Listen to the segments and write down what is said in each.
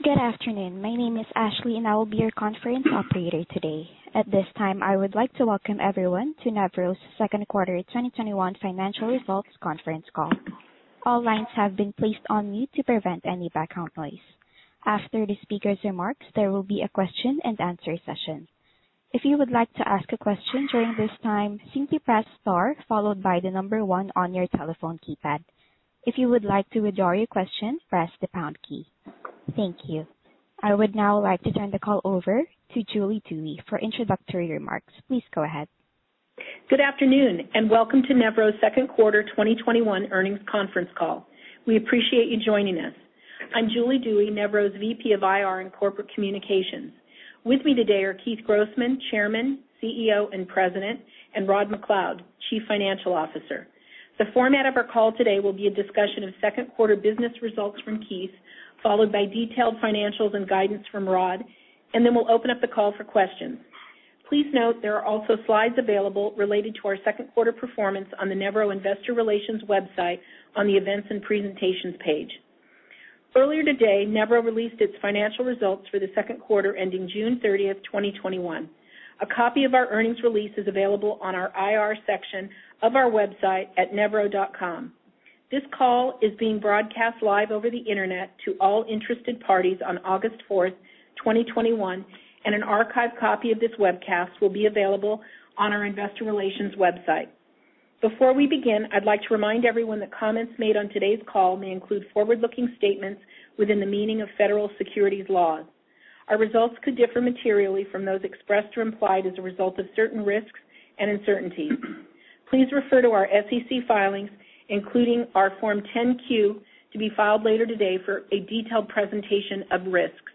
Good afternoon. My name is Ashley, and I will be your conference operator today. At this time, I would like to welcome everyone to Nevro's second quarter 2021 financial results conference call. All lines have been placed on mute to prevent any background noise. After the speaker's remarks, there will be a question and answer session. If you would like to ask a question during this time, simply press star followed by one on your telephone keypad. If you would like to withdraw your question, press the pound key. Thank you. I would now like to turn the call over to Julie Dewey for introductory remarks. Please go ahead. Good afternoon. Welcome to Nevro's second quarter 2021 earnings conference call. We appreciate you joining us. I'm Julie Dewey, Nevro's VP of IR and Corporate Communications. With me today are Keith Grossman, Chairman, CEO, and President, and Rod MacLeod, Chief Financial Officer. The format of our call today will be a discussion of second quarter business results from Keith, followed by detailed financials and guidance from Rod. Then we'll open up the call for questions. Please note there are also slides available related to our second quarter performance on the Nevro Investor Relations website on the Events and Presentations page. Earlier today, Nevro released its financial results for the second quarter ending June 30th, 2021. A copy of our earnings release is available on our IR section of our website at nevro.com. This call is being broadcast live over the internet to all interested parties on August 4th, 2021, and an archive copy of this webcast will be available on our investor relations website. Before we begin, I'd like to remind everyone that comments made on today's call may include forward-looking statements within the meaning of federal securities laws. Our results could differ materially from those expressed or implied as a result of certain risks and uncertainties. Please refer to our SEC filings, including our Form 10-Q, to be filed later today, for a detailed presentation of risks.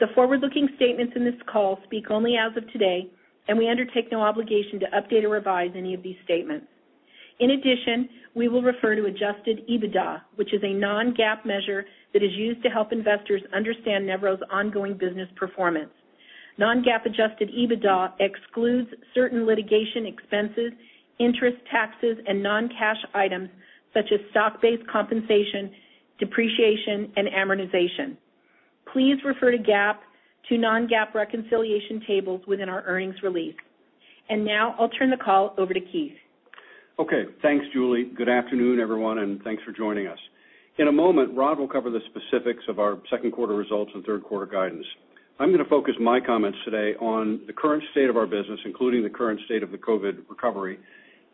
The forward-looking statements in this call speak only as of today, and we undertake no obligation to update or revise any of these statements. In addition, we will refer to adjusted EBITDA, which is a non-GAAP measure that is used to help investors understand Nevro's ongoing business performance. Non-GAAP adjusted EBITDA excludes certain litigation expenses, interest taxes, and non-cash items such as stock-based compensation, depreciation, and amortization. Please refer to non-GAAP reconciliation tables within our earnings release. Now I'll turn the call over to Keith. Okay, thanks, Julie. Good afternoon, everyone, and thanks for joining us. In a moment, Rod will cover the specifics of our second quarter results and third quarter guidance. I'm going to focus my comments today on the current state of our business, including the current state of the COVID recovery,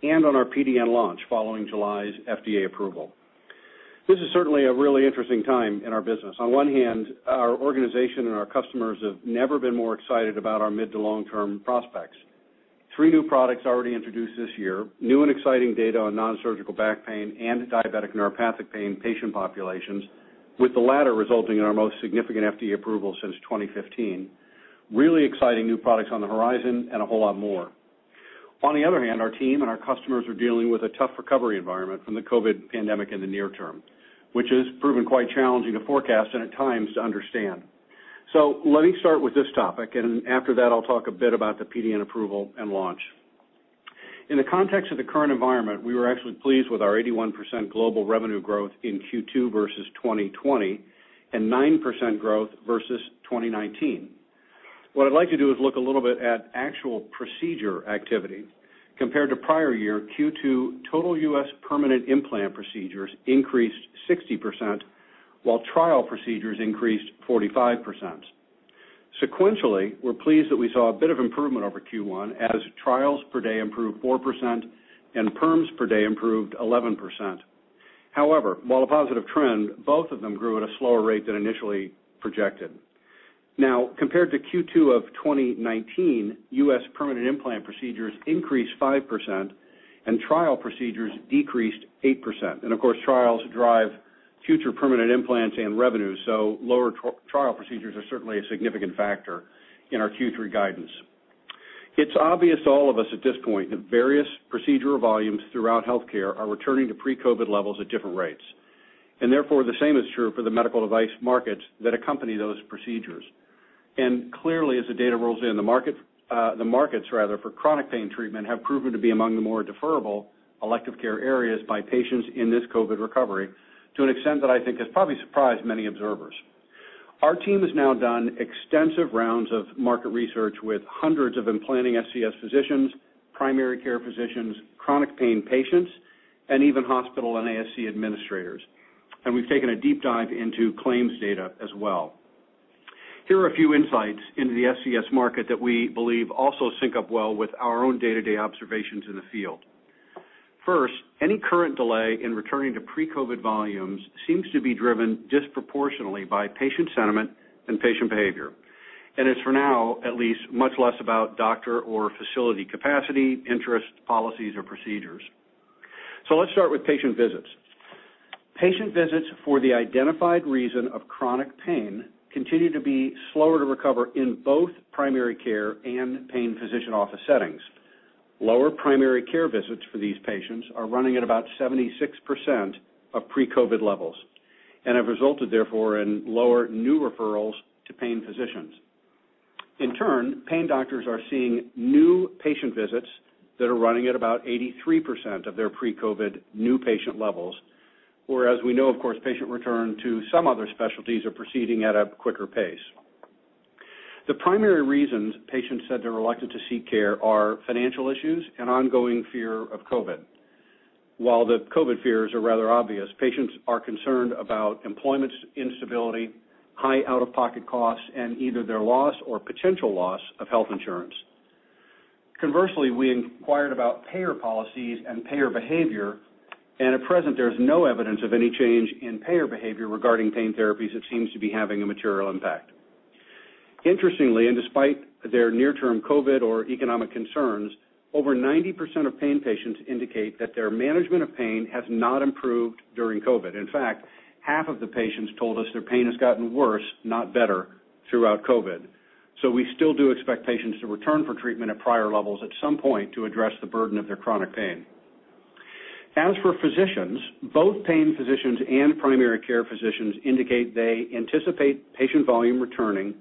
and on our PDN launch following July's FDA approval. This is certainly a really interesting time in our business. On one hand, our organization and our customers have never been more excited about our mid to long-term prospects. Three new products already introduced this year, new and exciting data on non-surgical back pain and diabetic neuropathic pain patient populations, with the latter resulting in our most significant FDA approval since 2015, really exciting new products on the horizon, and a whole lot more. On the other hand, our team and our customers are dealing with a tough recovery environment from the COVID pandemic in the near-term, which has proven quite challenging to forecast and at times to understand. Let me start with this topic, and after that, I'll talk a bit about the PDN approval and launch. In the context of the current environment, we were actually pleased with our 81% global revenue growth in Q2 versus 2020, and 9% growth versus 2019. What I'd like to do is look a little bit at actual procedure activity. Compared to prior year Q2, total U.S. permanent implant procedures increased 60%, while trial procedures increased 45%. Sequentially, we're pleased that we saw a bit of improvement over Q1 as trials per day improved 4% and perms per day improved 11%. However, while a positive trend, both of them grew at a slower rate than initially projected. Compared to Q2 of 2019, U.S. permanent implant procedures increased 5% and trial procedures decreased 8%. Of course, trials drive future permanent implants and revenues, so lower trial procedures are certainly a significant factor in our Q3 guidance. It's obvious to all of us at this point that various procedural volumes throughout healthcare are returning to pre-COVID levels at different rates, and therefore, the same is true for the medical device markets that accompany those procedures. Clearly, as the data rolls in, the markets for chronic pain treatment have proven to be among the more deferrable elective care areas by patients in this COVID recovery to an extent that I think has probably surprised many observers. Our team has now done extensive rounds of market research with hundreds of implanting SCS physicians, primary care physicians, chronic pain patients, and even hospital and ASC administrators. We've taken a deep dive into claims data as well. Here are a few insights into the SCS market that we believe also sync up well with our own day-to-day observations in the field. First, any current delay in returning to pre-COVID volumes seems to be driven disproportionately by patient sentiment and patient behavior, and is, for now at least, much less about doctor or facility capacity, interest, policies, or procedures. Let's start with patient visits. Patient visits for the identified reason of chronic pain continue to be slower to recover in both primary care and pain physician office settings. Lower primary care visits for these patients are running at about 76% of pre-COVID levels and have resulted, therefore, in lower new referrals to pain physicians. In turn, pain doctors are seeing new patient visits that are running at about 83% of their pre-COVID new patient levels, whereas we know, of course, patient return to some other specialties are proceeding at a quicker pace. The primary reasons patients said they're reluctant to seek care are financial issues and ongoing fear of COVID. While the COVID fears are rather obvious, patients are concerned about employment instability, high out-of-pocket costs, and either their loss or potential loss of health insurance. Conversely, we inquired about payer policies and payer behavior, and at present, there's no evidence of any change in payer behavior regarding pain therapies that seems to be having a material impact. Interestingly, despite their near-term COVID or economic concerns, over 90% of pain patients indicate that their management of pain has not improved during COVID. In fact, half of the patients told us their pain has gotten worse, not better, throughout COVID. We still do expect patients to return for treatment at prior levels at some point to address the burden of their chronic pain. As for physicians, both pain physicians and primary care physicians indicate they anticipate patient volume returning,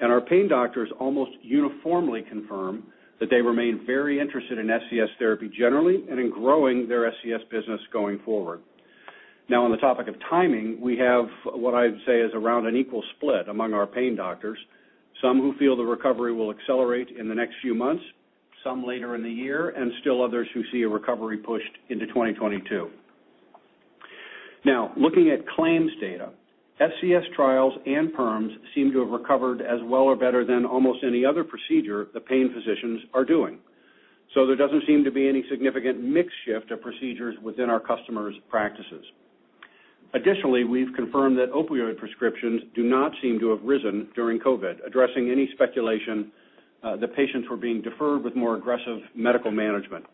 and our pain doctors almost uniformly confirm that they remain very interested in SCS therapy generally and in growing their SCS business going forward. Now, on the topic of timing, we have what I'd say is around an equal split among our pain doctors. Some who feel the recovery will accelerate in the next few months, some later in the year, and still others who see a recovery pushed into 2022. Looking at claims data, SCS trials and perms seem to have recovered as well or better than almost any other procedure the pain physicians are doing. There doesn't seem to be any significant mix shift of procedures within our customers' practices. Additionally, we've confirmed that opioid prescriptions do not seem to have risen during COVID, addressing any speculation that patients were being deferred with more aggressive medical management.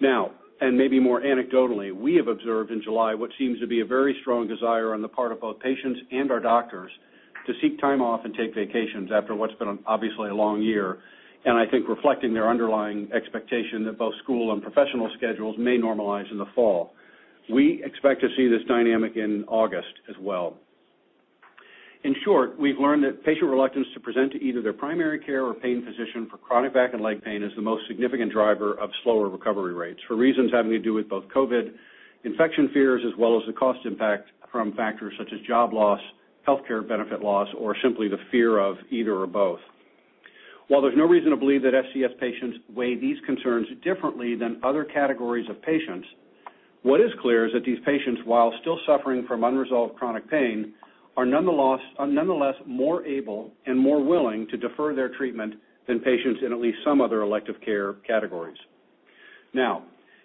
Now, and maybe more anecdotally, we have observed in July what seems to be a very strong desire on the part of both patients and our doctors to seek time off and take vacations after what's been obviously a long year, and I think reflecting their underlying expectation that both school and professional schedules may normalize in the fall. We expect to see this dynamic in August as well. In short, we've learned that patient reluctance to present to either their primary care or pain physician for chronic back and leg pain is the most significant driver of slower recovery rates for reasons having to do with both COVID infection fears as well as the cost impact from factors such as job loss, healthcare benefit loss, or simply the fear of either or both. While there's no reason to believe that SCS patients weigh these concerns differently than other categories of patients, what is clear is that these patients, while still suffering from unresolved chronic pain, are nonetheless more able and more willing to defer their treatment than patients in at least some other elective care categories.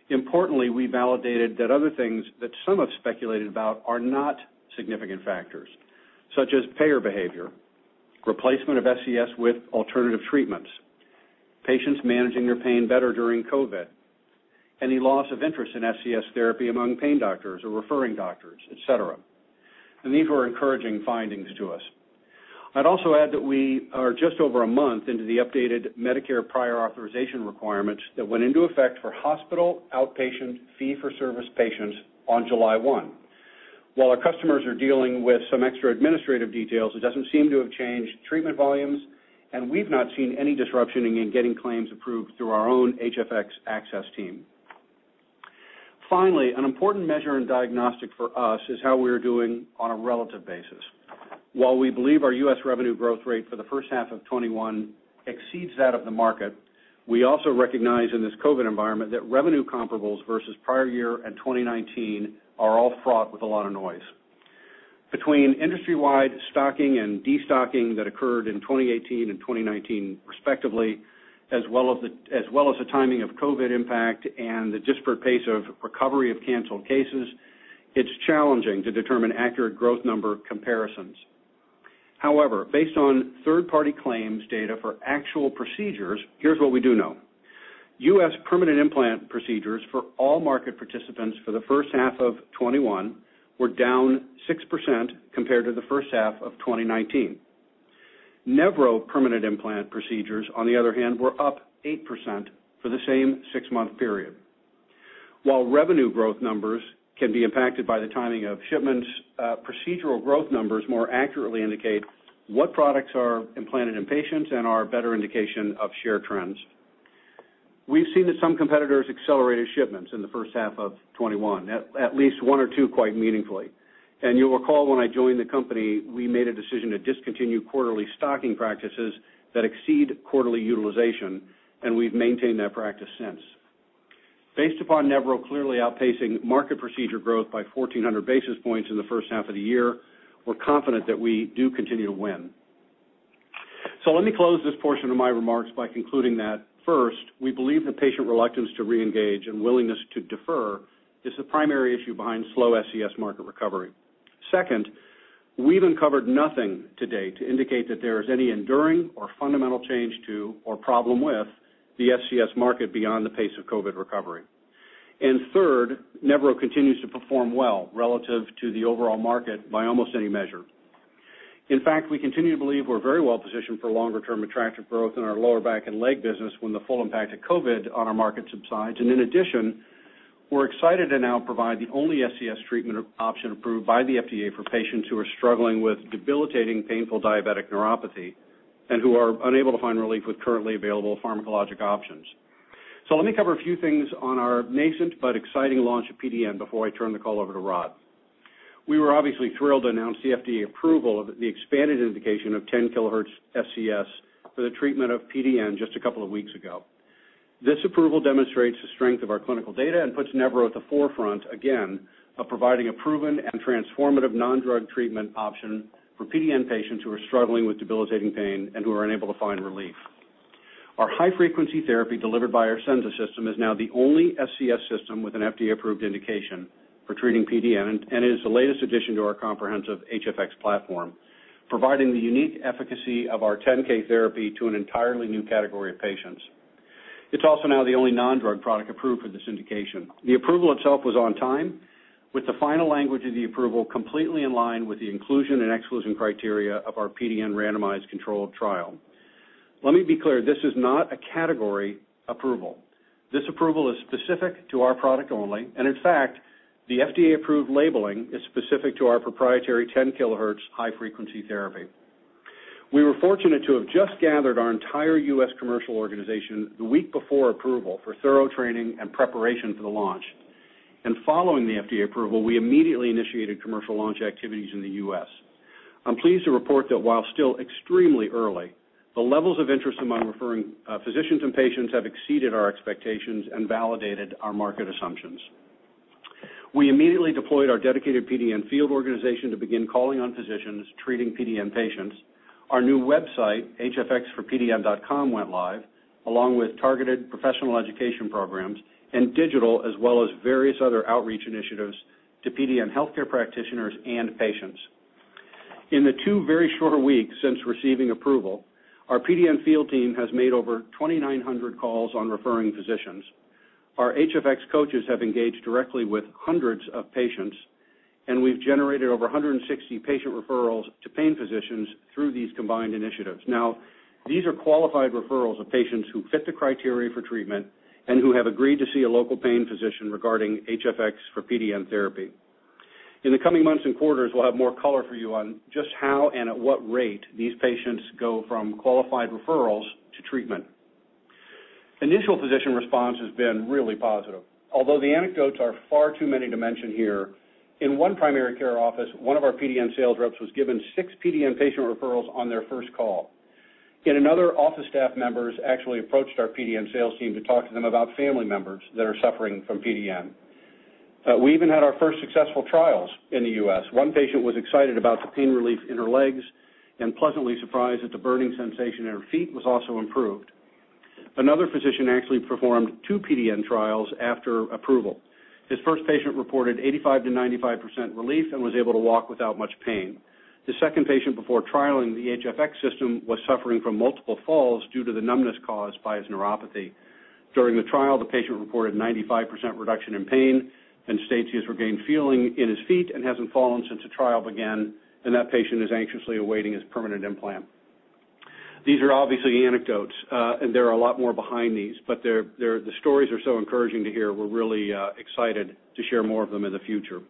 Importantly, we validated that other things that some have speculated about are not significant factors, such as payer behavior, replacement of SCS with alternative treatments, patients managing their pain better during COVID, any loss of interest in SCS therapy among pain doctors or referring doctors, et cetera. These were encouraging findings to us. I'd also add that we are just over a month into the updated Medicare prior authorization requirements that went into effect for hospital outpatient fee-for-service patients on July 1. While our customers are dealing with some extra administrative details, it doesn't seem to have changed treatment volumes, and we've not seen any disruption in getting claims approved through our own HFX Access team. An important measure in diagnostics for us is how we are doing on a relative basis. While we believe our U.S. revenue growth rate for the first half of 2021 exceeds that of the market, we also recognize in this COVID environment that revenue comparables versus prior year and 2019 are all fraught with a lot of noise. Between industry-wide stocking and de-stocking that occurred in 2018 and 2019 respectively, as well as the timing of COVID impact and the disparate pace of recovery of canceled cases, it's challenging to determine accurate growth number comparisons. Based on third-party claims data for actual procedures, here's what we do know. U.S. permanent implant procedures for all market participants for the first half of 2021 were down 6% compared to the first half of 2019. Nevro permanent implant procedures, on the other hand, were up 8% for the same six-month period. While revenue growth numbers can be impacted by the timing of shipments, procedural growth numbers more accurately indicate what products are implanted in patients and are a better indication of share trends. We've seen that some competitors accelerated shipments in the first half of 2021, at least one or two quite meaningfully. You'll recall when I joined the company, we made a decision to discontinue quarterly stocking practices that exceed quarterly utilization, and we've maintained that practice since. Based upon Nevro clearly outpacing market procedure growth by 1,400 basis points in the first half of the year, we're confident that we do continue to win. Let me close this portion of my remarks by concluding that first, we believe the patient reluctance to reengage and willingness to defer is the primary issue behind slow SCS market recovery. Second, we've uncovered nothing to date to indicate that there is any enduring or fundamental change to or problem with the SCS market beyond the pace of COVID recovery. Third, Nevro continues to perform well relative to the overall market by almost any measure. In fact, we continue to believe we're very well positioned for longer-term attractive growth in our lower back and leg business when the full impact of COVID on our market subsides. We're excited to now provide the only SCS treatment option approved by the FDA for patients who are struggling with debilitating painful diabetic neuropathy and who are unable to find relief with currently available pharmacologic options. Let me cover a few things on our nascent but exciting launch of PDN before I turn the call over to Rod. We were obviously thrilled to announce the FDA approval of the expanded indication of 10 kHz SCS for the treatment of PDN just a couple of weeks ago. This approval demonstrates the strength of our clinical data and puts Nevro at the forefront, again, of providing a proven and transformative non-drug treatment option for PDN patients who are struggling with debilitating pain and who are unable to find relief. Our high-frequency therapy delivered by our Senza system is now the only SCS system with an FDA-approved indication for treating PDN and is the latest addition to our comprehensive HFX platform, providing the unique efficacy of our 10K therapy to an entirely new category of patients. It's also now the only non-drug product approved for this indication. The approval itself was on time, with the final language of the approval completely in line with the inclusion and exclusion criteria of our PDN randomized controlled trial. Let me be clear. This is not a category approval. This approval is specific to our product only, and in fact, the FDA-approved labeling is specific to our proprietary 10 kHz high-frequency therapy. We were fortunate to have just gathered our entire U.S. commercial organization the week before approval for thorough training and preparation for the launch. Following the FDA approval, we immediately initiated commercial launch activities in the U.S. I'm pleased to report that while still extremely early, the levels of interest among referring physicians and patients have exceeded our expectations and validated our market assumptions. We immediately deployed our dedicated PDN field organization to begin calling on physicians treating PDN patients. Our new website, hfxforpdn.com, went live, along with targeted professional education programs and digital as well as various other outreach initiatives to PDN healthcare practitioners and patients. In the two very short weeks since receiving approval, our PDN field team has made over 2,900 calls on referring physicians. Our HFX coaches have engaged directly with hundreds of patients, and we've generated over 160 patient referrals to pain physicians through these combined initiatives. These are qualified referrals of patients who fit the criteria for treatment and who have agreed to see a local pain physician regarding HFX for PDN therapy. In the coming months and quarters, we'll have more color for you on just how and at what rate these patients go from qualified referrals to treatment. Initial physician response has been really positive. Although the anecdotes are far too many to mention here, in one primary care office, one of our PDN sales reps was given six PDN patient referrals on their first call. Yet another office staff members actually approached our PDN sales team to talk to them about family members that are suffering from PDN. We even had our first successful trials in the U.S. One patient was excited about the pain relief in her legs and pleasantly surprised that the burning sensation in her feet was also improved. Another physician actually performed two PDN trials after approval. His first patient reported 85%-95% relief and was able to walk without much pain. The second patient, before trialing the HFX system, was suffering from multiple falls due to the numbness caused by his neuropathy. During the trial, the patient reported 95% reduction in pain and states he has regained feeling in his feet and hasn't fallen since the trial began. That patient is anxiously awaiting his permanent implant. These are obviously anecdotes. There are a lot more behind these. The stories are so encouraging to hear. We're really excited to share more of them in the future.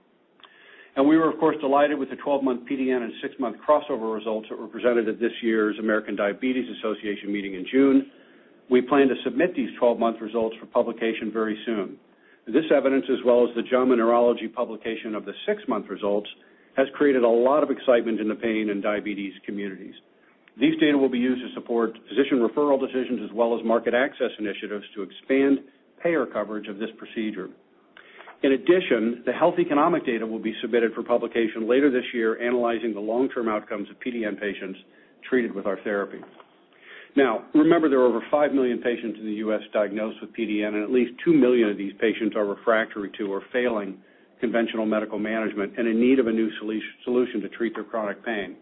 We were, of course, delighted with the 12-month PDN and six-month crossover results that were presented at this year's American Diabetes Association meeting in June. We plan to submit these 12-month results for publication very soon. This evidence, as well as the JAMA Neurology publication of the six-month results, has created a lot of excitement in the pain and diabetes communities. These data will be used to support physician referral decisions as well as market access initiatives to expand payer coverage of this procedure. In addition, the health economic data will be submitted for publication later this year, analyzing the long-term outcomes of PDN patients treated with our therapy. Now, remember, there are over 5 million patients in the U.S. diagnosed with PDN, and at least 2 million of these patients are refractory to or failing conventional medical management and in need of a new solution to treat their chronic pain.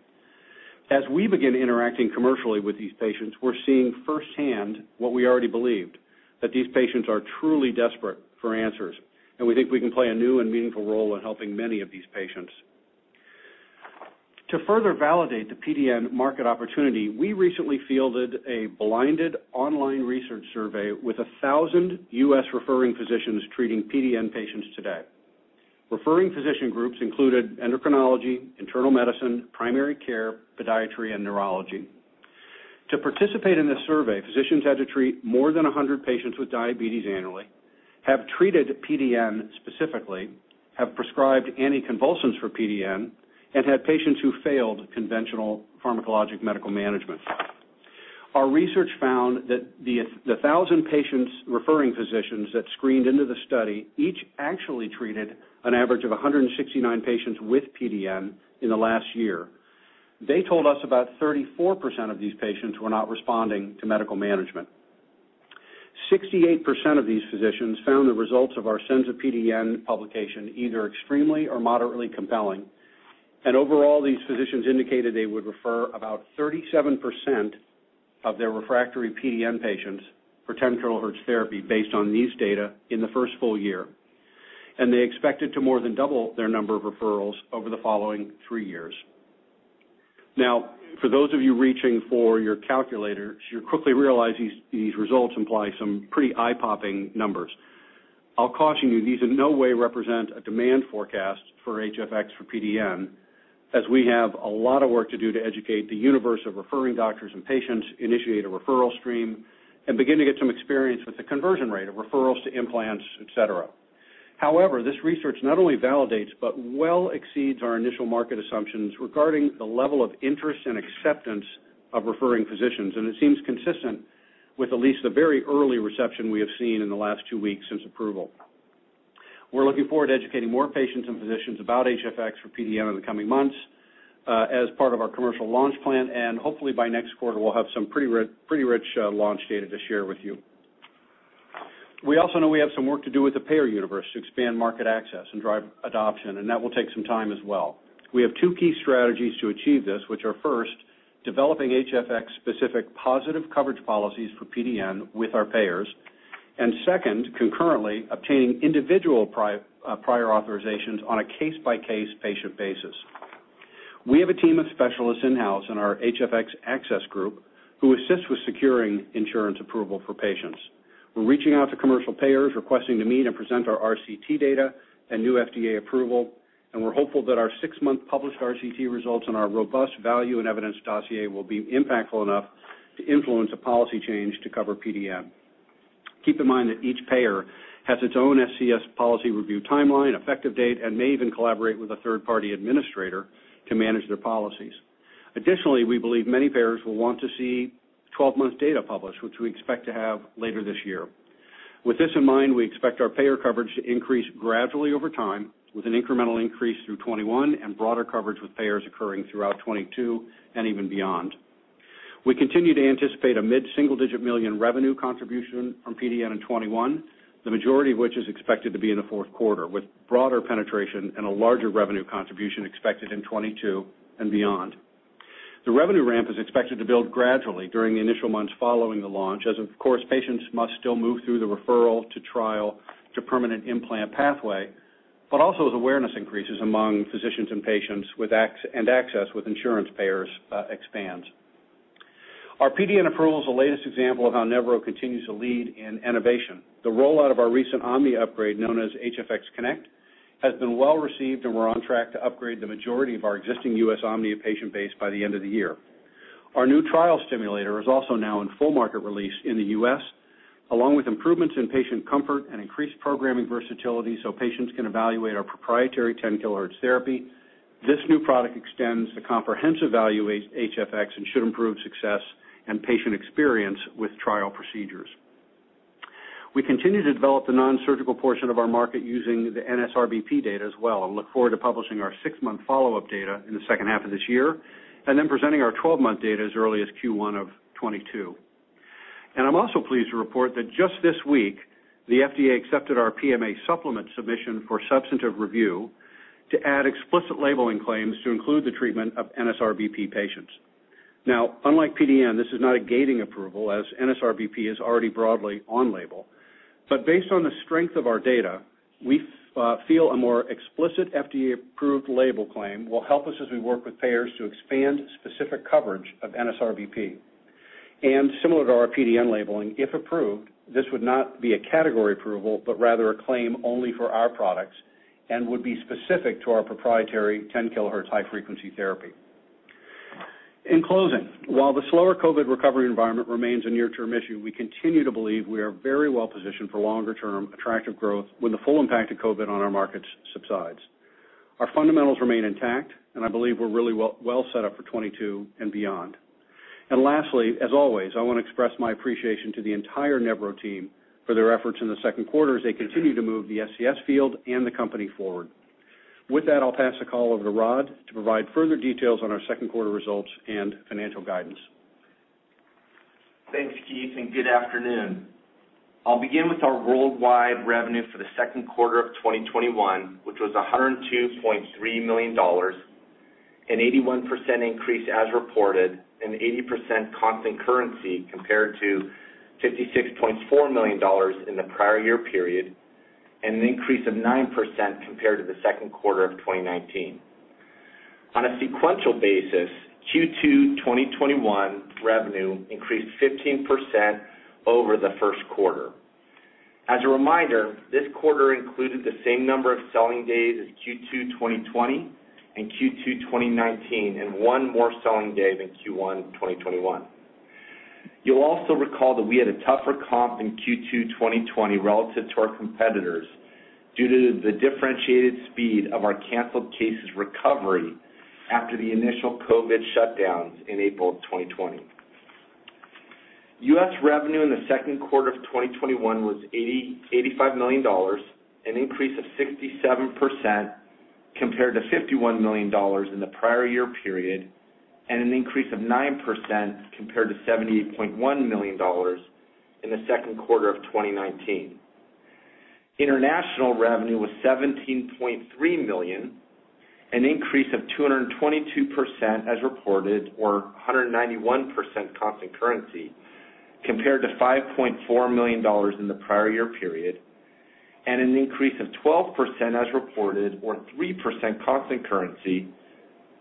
As we begin interacting commercially with these patients, we're seeing firsthand what we already believed, that these patients are truly desperate for answers, and we think we can play a new and meaningful role in helping many of these patients. To further validate the PDN market opportunity, we recently fielded a blinded online research survey with 1,000 U.S. referring physicians treating PDN patients today. Referring physician groups included endocrinology, internal medicine, primary care, podiatry, and neurology. To participate in this survey, physicians had to treat more than 100 patients with diabetes annually, have treated PDN specifically, have prescribed anticonvulsants for PDN, and had patients who failed conventional pharmacologic medical management. Our research found that the 1,000 patients referring physicians that screened into the study each actually treated an average of 169 patients with PDN in the last year. They told us about 34% of these patients were not responding to medical management. 68% of these physicians found the results of our Senza PDN publication either extremely or moderately compelling, and overall, these physicians indicated they would refer about 37% of their refractory PDN patients for 10 kHz therapy based on these data in the first full year, and they expected to more than double their number of referrals over the following three years. For those of you reaching for your calculators, you'll quickly realize these results imply some pretty eye-popping numbers. I'll caution you, these in no way represent a demand forecast for HFX for PDN, as we have a lot of work to do to educate the universe of referring doctors and patients, initiate a referral stream, and begin to get some experience with the conversion rate of referrals to implants, et cetera. This research not only validates but well exceeds our initial market assumptions regarding the level of interest and acceptance of referring physicians, and it seems consistent with at least the very early reception we have seen in the last two weeks since approval. We're looking forward to educating more patients and physicians about HFX for PDN in the coming months as part of our commercial launch plan, and hopefully by next quarter, we'll have some pretty rich launch data to share with you. We also know we have some work to do with the payer universe to expand market access and drive adoption. That will take some time as well. We have two key strategies to achieve this, which are, first, developing HFX-specific positive coverage policies for PDN with our payers. Second, concurrently, obtaining individual prior authorizations on a case-by-case patient basis. We have a team of specialists in-house in our HFX Access group who assist with securing insurance approval for patients. We're reaching out to commercial payers, requesting to meet and present our RCT data and new FDA approval, and we're hopeful that our six-month published RCT results and our robust value and evidence dossier will be impactful enough to influence a policy change to cover PDN. Keep in mind that each payer has its own SCS policy review timeline, effective date, and may even collaborate with a third-party administrator to manage their policies. Additionally, we believe many payers will want to see 12-month data published, which we expect to have later this year. With this in mind, we expect our payer coverage to increase gradually over time, with an incremental increase through 2021 and broader coverage with payers occurring throughout 2022 and even beyond. We continue to anticipate a mid-single-digit million revenue contribution from PDN in 2021, the majority of which is expected to be in the fourth quarter, with broader penetration and a larger revenue contribution expected in 2022 and beyond. The revenue ramp is expected to build gradually during the initial months following the launch, as of course, patients must still move through the referral to trial to permanent implant pathway. Also, as awareness increases among physicians and patients and access with insurance payers expands. Our PDN approval is the latest example of how Nevro continues to lead in innovation. The rollout of our recent Omnia upgrade, known as HFX Connect, has been well received, and we're on track to upgrade the majority of our existing U.S. Omnia patient base by the end of the year. Our new trial stimulator is also now in full market release in the U.S., along with improvements in patient comfort and increased programming versatility so patients can evaluate our proprietary 10 kHz therapy. This new product extends the comprehensive value HFX and should improve success and patient experience with trial procedures. We continue to develop the nonsurgical portion of our market using the NSRBP data as well, and look forward to publishing our six-month follow-up data in the second half of this year, and then presenting our 12-month data as early as Q1 of 2022. I'm also pleased to report that just this week, the FDA accepted our PMA supplement submission for substantive review to add explicit labeling claims to include the treatment of NSRBP patients. Now, unlike PDN, this is not a gating approval, as NSRBP is already broadly on label. Based on the strength of our data, we feel a more explicit FDA-approved label claim will help us as we work with payers to expand specific coverage of NSRBP. Similar to our PDN labeling, if approved, this would not be a category approval, but rather a claim only for our products and would be specific to our proprietary 10 kHz high-frequency therapy. In closing, while the slower COVID recovery environment remains a near-term issue, we continue to believe we are very well positioned for longer-term attractive growth when the full impact of COVID on our markets subsides. Our fundamentals remain intact, and I believe we're really well set up for 2022 and beyond. Lastly, as always, I want to express my appreciation to the entire Nevro team for their efforts in the second quarter as they continue to move the SCS field and the company forward. With that, I'll pass the call over to Rod to provide further details on our second quarter results and financial guidance. Thanks, Keith. Good afternoon. I'll begin with our worldwide revenue for the second quarter of 2021, which was $102.3 million, an 81% increase as reported, an 80% constant currency compared to $56.4 million in the prior year period, and an increase of 9% compared to the second quarter of 2019. On a sequential basis, Q2 2021 revenue increased 15% over the first quarter. As a reminder, this quarter included the same number of selling days as Q2 2020 and Q2 2019, and 1 more selling day than Q1 2021. You'll also recall that we had a tougher comp in Q2 2020 relative to our competitors due to the differentiated speed of our canceled cases recovery after the initial COVID shutdowns in April 2020. U.S. revenue in the second quarter of 2021 was $85 million, an increase of 67% compared to $51 million in the prior year period, and an increase of 9% compared to $78.1 million in the second quarter of 2019. International revenue was $17.3 million, an increase of 222% as reported or 191% constant currency, compared to $5.4 million in the prior year period. An increase of 12% as reported, or 3% constant currency,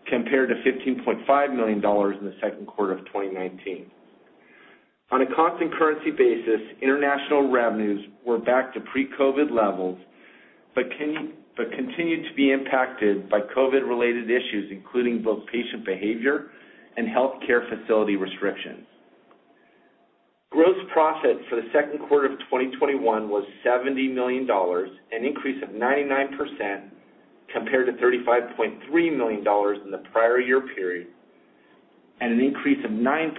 compared to $15.5 million in the second quarter of 2019. On a constant currency basis, international revenues were back to pre-COVID levels, but continue to be impacted by COVID-related issues, including both patient behavior and healthcare facility restrictions. Gross profit for the second quarter of 2021 was $70 million, an increase of 99% compared to $35.3 million in the prior year period, and an increase of 9%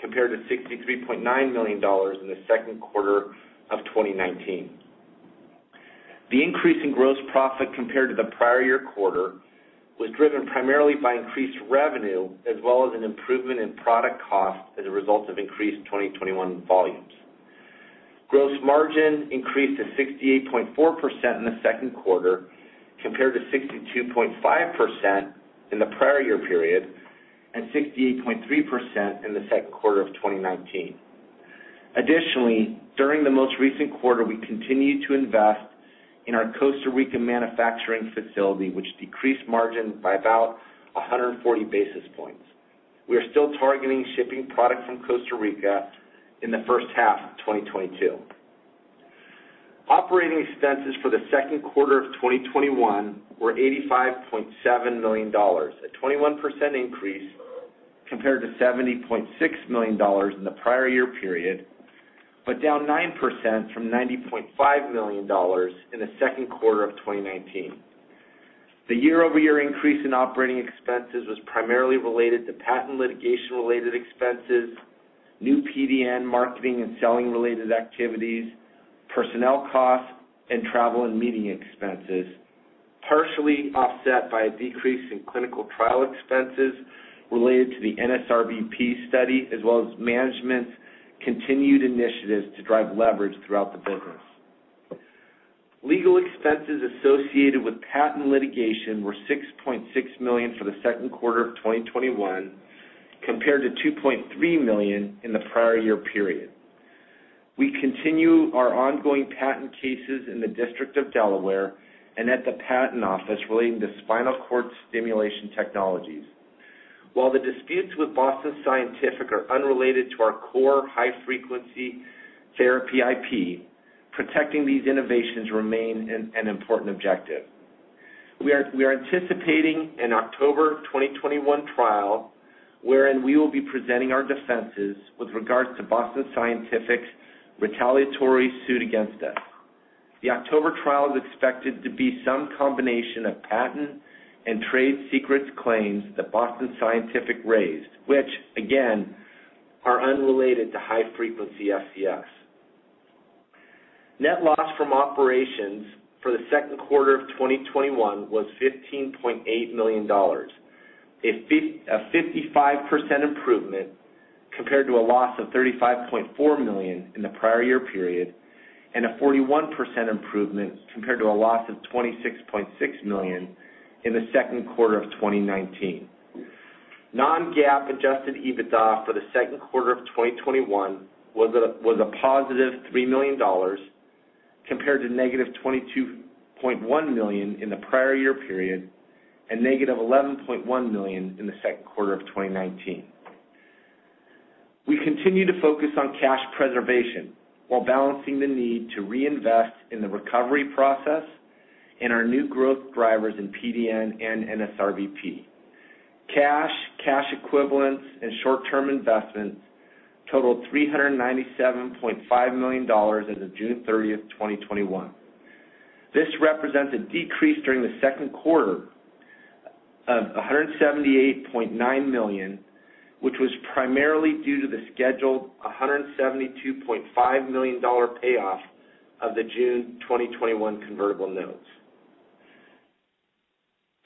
compared to $63.9 million in the second quarter of 2019. The increase in gross profit compared to the prior year quarter was driven primarily by increased revenue, as well as an improvement in product cost as a result of increased 2021 volumes. Gross margin increased to 68.4% in the second quarter, compared to 62.5% in the prior year period, and 68.3% in the second quarter of 2019. Additionally, during the most recent quarter, we continued to invest in our Costa Rica manufacturing facility, which decreased margin by about 140 basis points. We are still targeting shipping product from Costa Rica in the first half of 2022. Operating expenses for the second quarter of 2021 were $85.7 million, a 21% increase compared to $70.6 million in the prior year period, but down 9% from $90.5 million in the second quarter of 2019. The year-over-year increase in operating expenses was primarily related to patent litigation related expenses, new PDN marketing and selling-related activities, personnel costs, and travel and meeting expenses, partially offset by a decrease in clinical trial expenses related to the NSRBP study, as well as management's continued initiatives to drive leverage throughout the business. Legal expenses associated with patent litigation were $6.6 million for the second quarter of 2021, compared to $2.3 million in the prior year period. We continue our ongoing patent cases in the District of Delaware and at the patent office relating to spinal cord stimulation technologies. While the disputes with Boston Scientific are unrelated to our core high-frequency therapy IP, protecting these innovations remain an important objective. We are anticipating an October 2021 trial wherein we will be presenting our defenses with regards to Boston Scientific's retaliatory suit against us. The October trial is expected to be some combination of patent and trade secrets claims that Boston Scientific raised, which, again, are unrelated to high-frequency SCS. Net loss from operations for the second quarter of 2021 was $15.8 million, a 55% improvement compared to a loss of $35.4 million in the prior year period, and a 41% improvement compared to a loss of $26.6 million in the second quarter of 2019. Non-GAAP adjusted EBITDA for the second quarter of 2021 was a positive $3 million, compared to negative $22.1 million in the prior year period, and negative $11.1 million in the second quarter of 2019. We continue to focus on cash preservation while balancing the need to reinvest in the recovery process and our new growth drivers in PDN and NSRBP. Cash, cash equivalents, and short-term investments totaled $397.5 million as of June 30th, 2021. This represents a decrease during the second quarter of $178.9 million, which was primarily due to the scheduled $172.5 million payoff of the June 2021 convertible notes.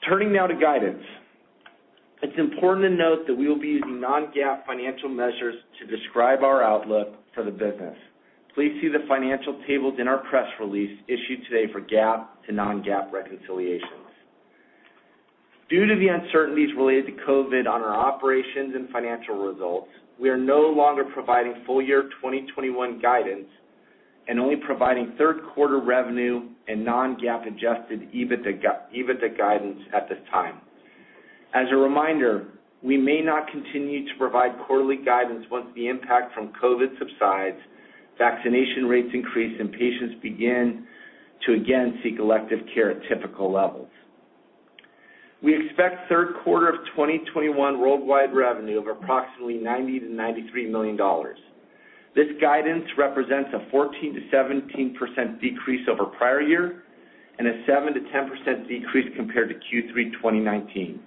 Turning now to guidance. It's important to note that we will be using non-GAAP financial measures to describe our outlook for the business. Please see the financial tables in our press release issued today for GAAP to non-GAAP reconciliations. Due to the uncertainties related to COVID on our operations and financial results, we are no longer providing full-year 2021 guidance and only providing third-quarter revenue and non-GAAP adjusted EBITDA guidance at this time. As a reminder, we may not continue to provide quarterly guidance once the impact from COVID subsides, vaccination rates increase, and patients begin to again seek elective care at typical levels. We expect third quarter of 2021 worldwide revenue of approximately $90 million-$93 million. This guidance represents a 14%-17% decrease over prior year and a 7%-10% decrease compared to Q3 2019.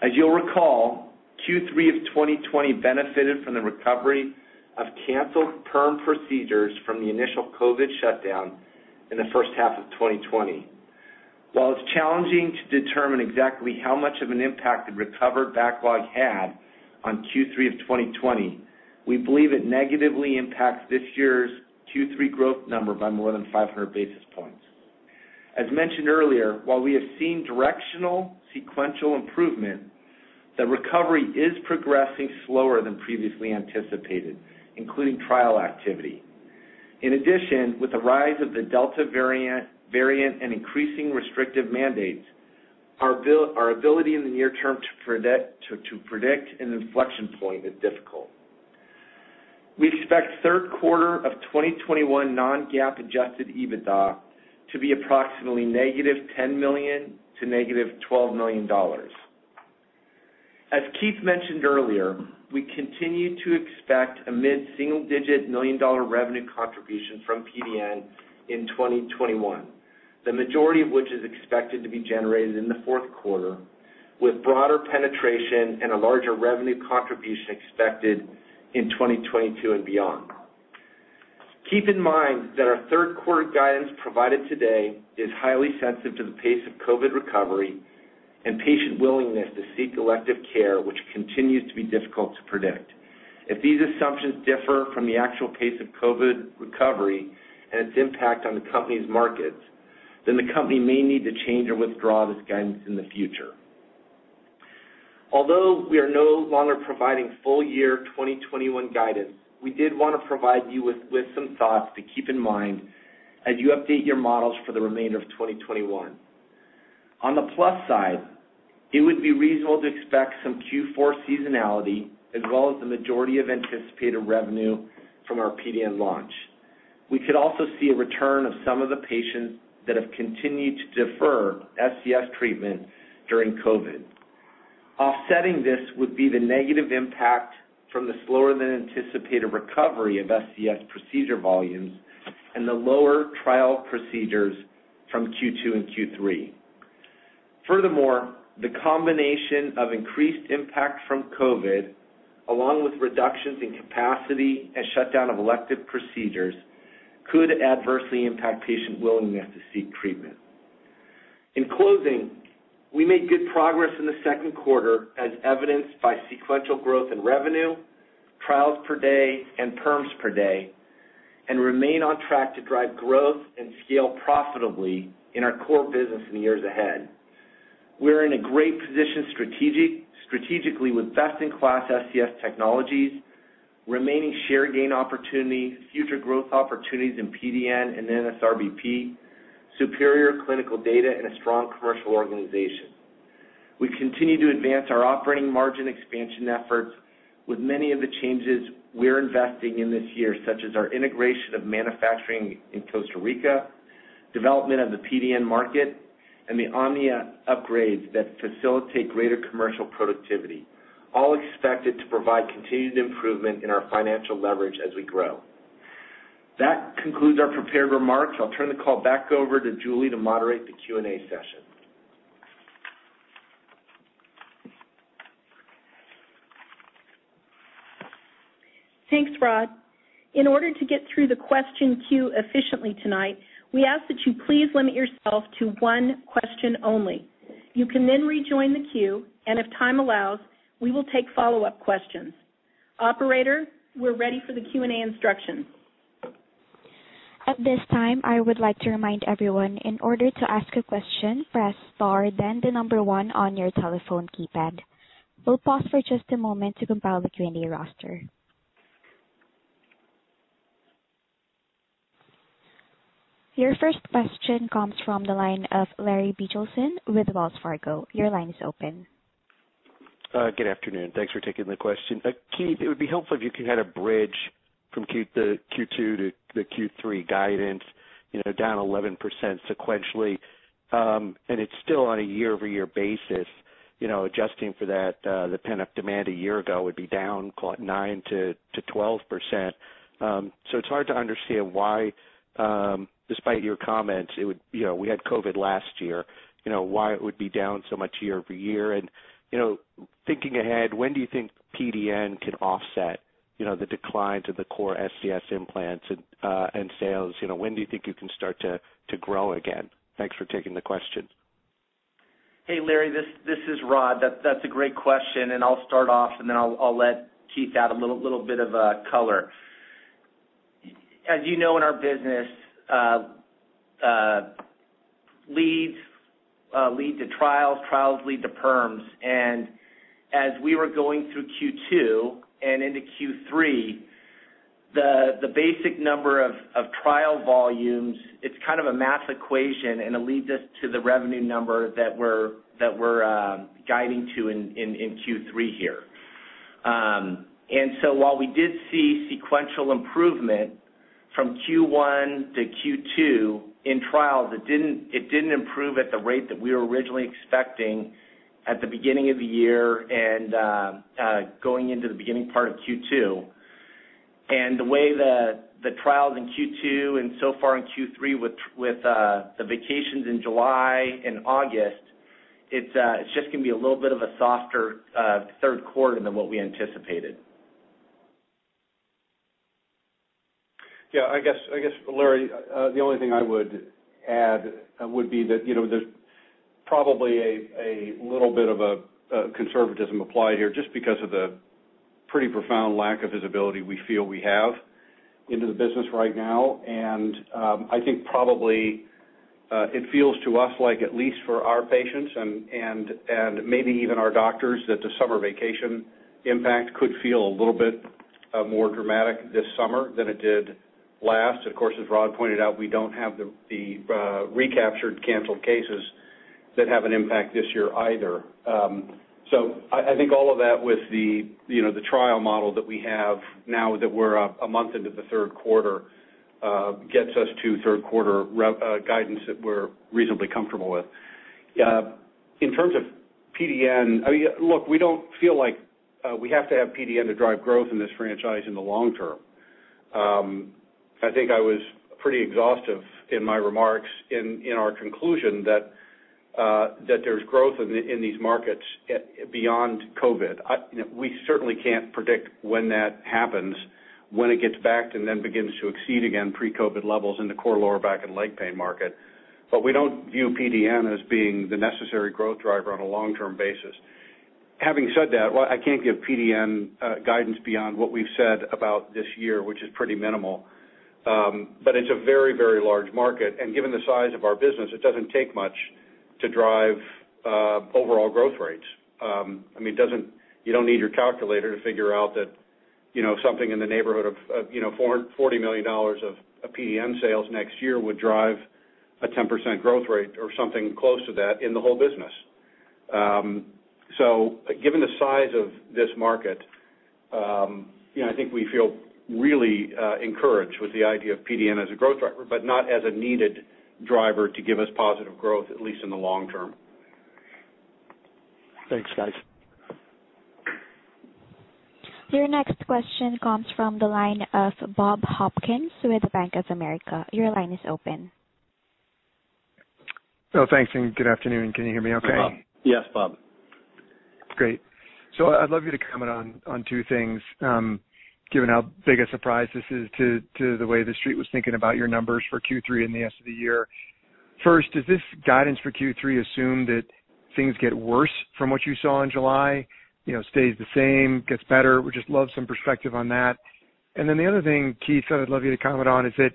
As you'll recall, Q3 of 2020 benefited from the recovery of canceled perm procedures from the initial COVID shutdown in the first half of 2020. While it's challenging to determine exactly how much of an impact the recovered backlog had on Q3 of 2020, we believe it negatively impacts this year's Q3 growth number by more than 500 basis points. As mentioned earlier, while we have seen directional sequential improvement, the recovery is progressing slower than previously anticipated, including trial activity. In addition, with the rise of the Delta variant and increasing restrictive mandates, our ability in the near-term to predict an inflection point is difficult. We expect third quarter of 2021 non-GAAP adjusted EBITDA to be approximately -$10 million to -$12 million. As Keith mentioned earlier, we continue to expect a mid-single-digit million-dollar revenue contribution from PDN in 2021. The majority of which is expected to be generated in the fourth quarter, with broader penetration and a larger revenue contribution expected in 2022 and beyond. Keep in mind that our third-quarter guidance provided today is highly sensitive to the pace of COVID recovery and patient willingness to seek elective care, which continues to be difficult to predict. If these assumptions differ from the actual pace of COVID recovery and its impact on the company's markets, then the company may need to change or withdraw this guidance in the future. Although we are no longer providing full year 2021 guidance, we did want to provide you with some thoughts to keep in mind as you update your models for the remainder of 2021. On the plus side, it would be reasonable to expect some Q4 seasonality, as well as the majority of anticipated revenue from our PDN launch. We could also see a return of some of the patients that have continued to defer SCS treatment during COVID. Offsetting this would be the negative impact from the slower-than-anticipated recovery of SCS procedure volumes and the lower trial procedures from Q2 and Q3. The combination of increased impact from COVID, along with reductions in capacity and shutdown of elective procedures, could adversely impact patient willingness to seek treatment. In closing, we made good progress in the second quarter, as evidenced by sequential growth in revenue, trials per day, and perms per day, and remain on track to drive growth and scale profitably in our core business in the years ahead. We're in a great position strategically with best-in-class SCS technologies, remaining share gain opportunity, future growth opportunities in PDN and NSRBP, superior clinical data, and a strong commercial organization. We continue to advance our operating margin expansion efforts with many of the changes we're investing in this year, such as our integration of manufacturing in Costa Rica, development of the PDN market, and the Omnia upgrades that facilitate greater commercial productivity, all expected to provide continued improvement in our financial leverage as we grow. That concludes our prepared remarks. I'll turn the call back over to Julie to moderate the Q&A session. Thanks, Rod. In order to get through the question queue efficiently tonight, we ask that you please limit yourself to one question only. You can rejoin the queue, and if time allows, we will take follow-up questions. Operator, we're ready for the Q&A instructions. At this time, I would like to remind everyone, in order to ask a question, press star then 1 on your telephone keypad. We'll pause for just a moment to compile the Q&A roster. Your first question comes from the line of Larry Biegelsen with Wells Fargo. Your line is open. Good afternoon. Thanks for taking the question. Keith, it would be helpful if you could kind of bridge from the Q2 to the Q3 guidance, down 11% sequentially. It's still on a year-over-year basis, adjusting for that, the pent-up demand a year ago would be down call it 9%-12%. It's hard to understand why, despite your comments, we had COVID last year, why it would be down so much year-over-year. Thinking ahead, when do you think PDN can offset the decline to the core SCS implants and sales? When do you think you can start to grow again? Thanks for taking the question. Hey, Larry. This is Rod. That's a great question, and I'll start off, and then I'll let Keith add a little bit of color. As you know, in our business, leads to trials lead to perms. As we were going through Q2 and into Q3, the basic number of trial volumes, it's kind of a math equation, and it leads us to the revenue number that we're guiding to in Q3 here. While we did see sequential improvement from Q1 to Q2 in trials, it didn't improve at the rate that we were originally expecting at the beginning of the year and going into the beginning part of Q2. The way the trials in Q2 and so far in Q3 with the vacations in July and August, it's just going to be a little bit of a softer third quarter than what we anticipated. Yeah. I guess, Larry, the only thing I would add would be that there's probably a little bit of conservatism applied here just because of the pretty profound lack of visibility we feel we have into the business right now. I think probably it feels to us like, at least for our patients and maybe even our doctors, that the summer vacation impact could feel a little bit more dramatic this summer than it did last. Of course, as Rod pointed out, we don't have the recaptured canceled cases that have an impact this year either. I think all of that with the trial model that we have now that we're a month into the third quarter gets us to third quarter guidance that we're reasonably comfortable with. In terms of PDN, look, we don't feel like we have to have PDN to drive growth in this franchise in the long-term. I think I was pretty exhaustive in my remarks in our conclusion that there's growth in these markets beyond COVID. We certainly can't predict when that happens, when it gets back, and then begins to exceed again pre-COVID levels in the core lower back and leg pain market. We don't view PDN as being the necessary growth driver on a long-term basis. Having said that, I can't give PDN guidance beyond what we've said about this year, which is pretty minimal. It's a very, very large market, and given the size of our business, it doesn't take much to drive overall growth rates. You don't need your calculator to figure out that something in the neighborhood of $40 million of PDN sales next year would drive a 10% growth rate or something close to that in the whole business. Given the size of this market, I think we feel really encouraged with the idea of PDN as a growth driver, but not as a needed driver to give us positive growth, at least in the long-term. Thanks, guys. Your next question comes from the line of Bob Hopkins with Bank of America. Your line is open. Oh, thanks, and good afternoon. Can you hear me okay? Yes, Bob. Great. I'd love you to comment on two things, given how big a surprise this is to the way the Street was thinking about your numbers for Q3 and the rest of the year. First, does this guidance for Q3 assume that things get worse from what you saw in July, stays the same, gets better? Would just love some perspective on that. The other thing, Keith, that I'd love you to comment on is that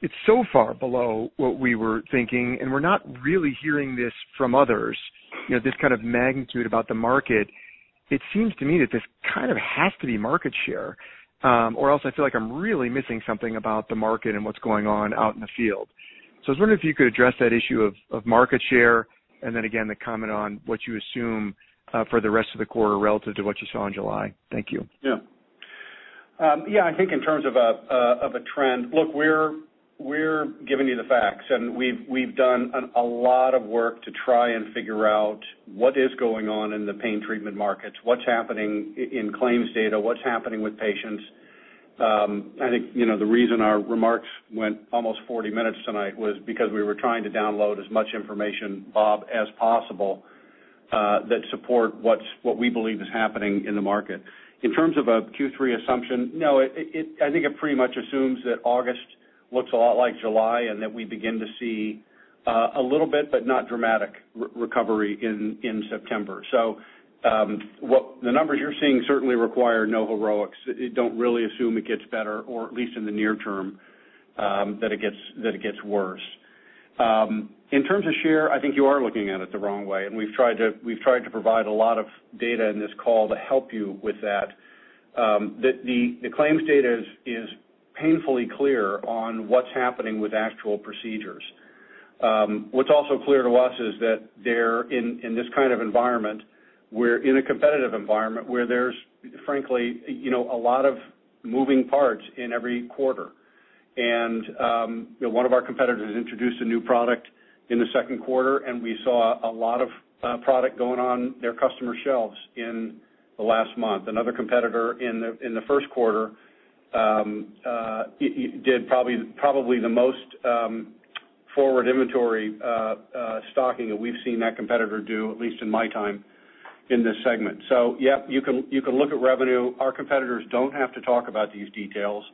it's so far below what we were thinking, and we're not really hearing this from others, this kind of magnitude about the market. It seems to me that this kind of has to be market share. I feel like I'm really missing something about the market and what's going on out in the field. I was wondering if you could address that issue of market share and then again, the comment on what you assume for the rest of the quarter relative to what you saw in July. Thank you. Yeah. I think in terms of a trend, look, we're giving you the facts. We've done a lot of work to try and figure out what is going on in the pain treatment markets, what's happening in claims data, what's happening with patients. I think the reason our remarks went almost 40 minutes tonight was because we were trying to download as much information, Bob, as possible that support what we believe is happening in the market. In terms of a Q3 assumption, no, I think it pretty much assumes that August looks a lot like July. That we begin to see a little bit, but not dramatic recovery in September. The numbers you're seeing certainly require no heroics. Don't really assume it gets better, or at least in the near-term, that it gets worse. In terms of share, I think you are looking at it the wrong way, and we've tried to provide a lot of data in this call to help you with that. The claims data is painfully clear on what's happening with actual procedures. What's also clear to us is that in this kind of environment, we're in a competitive environment where there's frankly a lot of moving parts in every quarter. One of our competitors introduced a new product in the second quarter, and we saw a lot of product going on their customer shelves in the last month. Another competitor in the first quarter did probably the most forward inventory stocking that we've seen that competitor do, at least in my time in this segment. Yep, you can look at revenue. Our competitors don't have to talk about these details.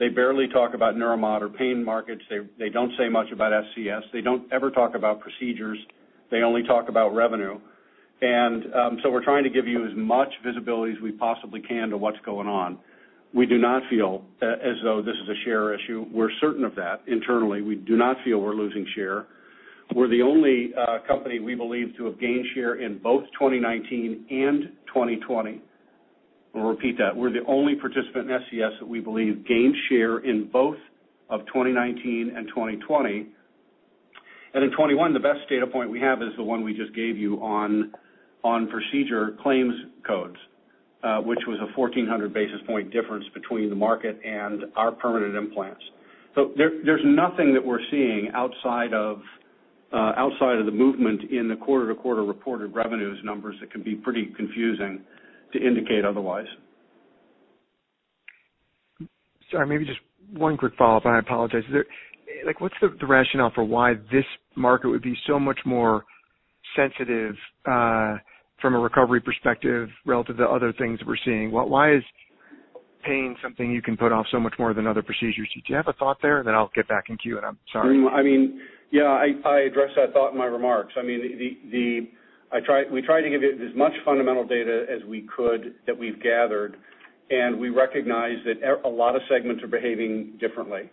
They barely talk about Neuromodulation or pain markets. They don't say much about SCS. They don't ever talk about procedures. They only talk about revenue. We're trying to give you as much visibility as we possibly can to what's going on. We do not feel as though this is a share issue. We're certain of that internally. We do not feel we're losing share. We're the only company, we believe, to have gained share in both 2019 and 2020. I'll repeat that. We're the only participant in SCS that we believe gained share in both of 2019 and 2020. In 2021, the best data point we have is the one we just gave you on procedure claims codes, which was a 1,400 basis point difference between the market and our permanent implants. There's nothing that we're seeing outside of the movement in the quarter-to-quarter reported revenues numbers that can be pretty confusing to indicate otherwise. Sorry, maybe just one quick follow-up. I apologize. What's the rationale for why this market would be so much more sensitive from a recovery perspective relative to other things that we're seeing? Why is pain something you can put off so much more than other procedures? Do you have a thought there? I'll get back in queue. I'm sorry. Yeah, I addressed that thought in my remarks. We tried to give you as much fundamental data as we could that we've gathered, and we recognize that a lot of segments are behaving differently.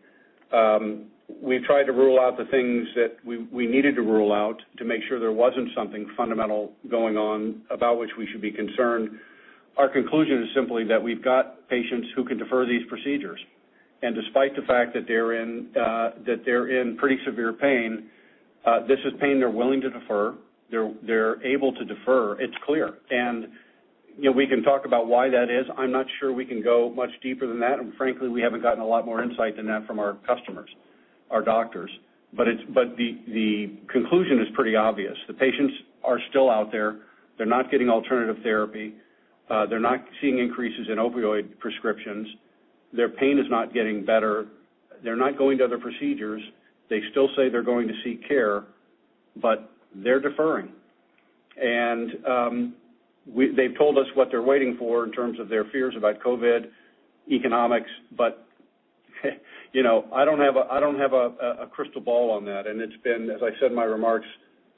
We've tried to rule out the things that we needed to rule out to make sure there wasn't something fundamental going on about which we should be concerned. Our conclusion is simply that we've got patients who can defer these procedures, and despite the fact that they're in pretty severe pain, this is pain they're willing to defer. They're able to defer. It's clear. We can talk about why that is. I'm not sure we can go much deeper than that, and frankly, we haven't gotten a lot more insight than that from our customers, our doctors. The conclusion is pretty obvious. The patients are still out there. They're not getting alternative therapy. They're not seeing increases in opioid prescriptions. Their pain is not getting better. They're not going to other procedures. They still say they're going to seek care, but they're deferring. They've told us what they're waiting for in terms of their fears about COVID, economics. I don't have a crystal ball on that. It's been, as I said in my remarks,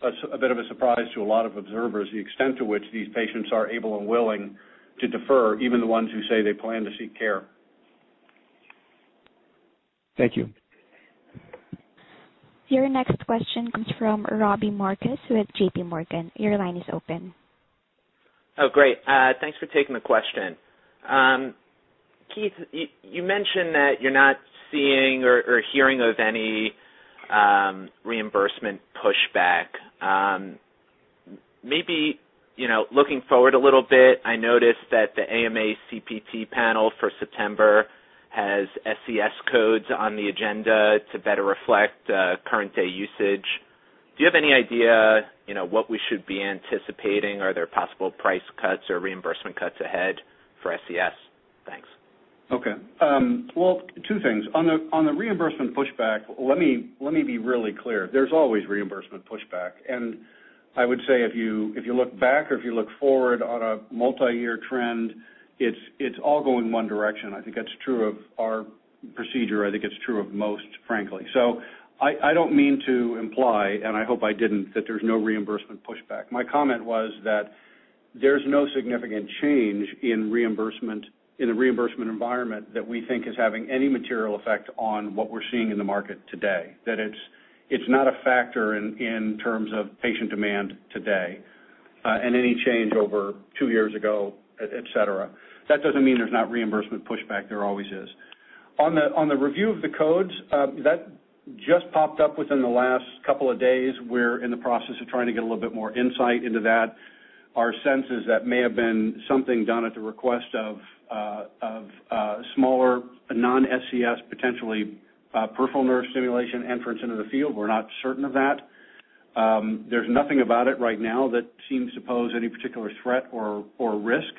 a bit of a surprise to a lot of observers the extent to which these patients are able and willing to defer, even the ones who say they plan to seek care. Thank you. Your next question comes from Robbie Marcus with JPMorgan. Your line is open. Oh, great. Thanks for taking the question. Keith, you mentioned that you're not seeing or hearing of any reimbursement pushback. Maybe looking forward a little bit, I noticed that the AMA CPT panel for September has SCS codes on the agenda to better reflect current-day usage. Do you have any idea what we should be anticipating? Are there possible price cuts or reimbursement cuts ahead for SCS? Thanks. Okay. Well, two things. On the reimbursement pushback, let me be really clear. There's always reimbursement pushback. I would say if you look back or if you look forward on a multi-year trend, it's all going one direction. I think that's true of our procedure. I think it's true of most, frankly. I don't mean to imply, and I hope I didn't, that there's no reimbursement pushback. My comment was that there's no significant change in the reimbursement environment that we think is having any material effect on what we're seeing in the market today, that it's not a factor in terms of patient demand today, and any change over two years ago, et cetera. That doesn't mean there's not reimbursement pushback. There always is. On the review of the codes, that just popped up within the last couple of days. We're in the process of trying to get a little bit more insight into that. Our sense is that may have been something done at the request of a smaller, non-SCS, potentially peripheral nerve stimulation entrance into the field. We're not certain of that. There's nothing about it right now that seems to pose any particular threat or risk,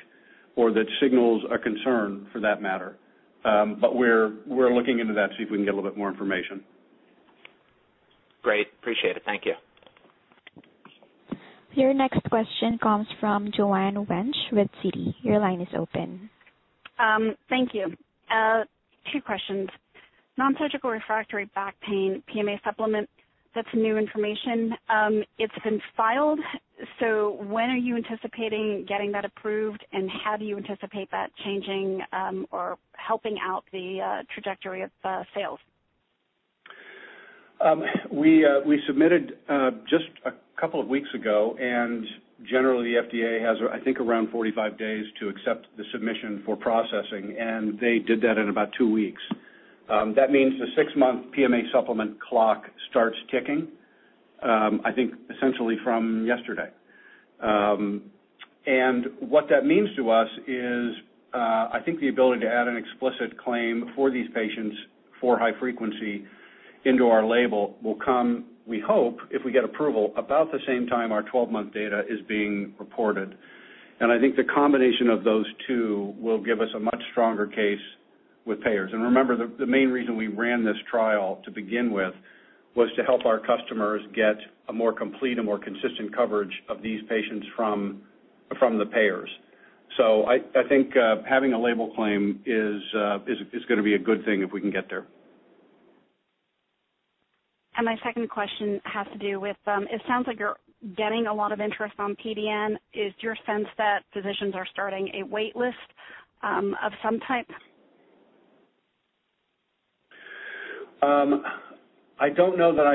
or that signals a concern for that matter. We're looking into that, see if we can get a little bit more information. Great. Appreciate it. Thank you. Your next question comes from Joanne Wuensch with Citi. Your line is open. Thank you. two questions. Nonsurgical refractory back pain PMA supplement, that's new information. It's been filed. When are you anticipating getting that approved? How do you anticipate that changing or helping out the trajectory of sales? We submitted just a couple of weeks ago. Generally, the FDA has, I think, around 45 days to accept the submission for processing. They did that in about two weeks. That means the six-month PMA supplement clock starts ticking, I think, essentially from yesterday. What that means to us is, I think the ability to add an explicit claim for these patients for high frequency into our label will come, we hope, if we get approval, about the same time our 12-month data is being reported. I think the combination of those two will give us a much stronger case with payers. Remember, the main reason we ran this trial to begin with was to help our customers get a more complete and more consistent coverage of these patients from the payers. I think having a label claim is going to be a good thing if we can get there. My second question has to do with, it sounds like you're getting a lot of interest on PDN. Is your sense that physicians are starting a wait list of some type? I don't know that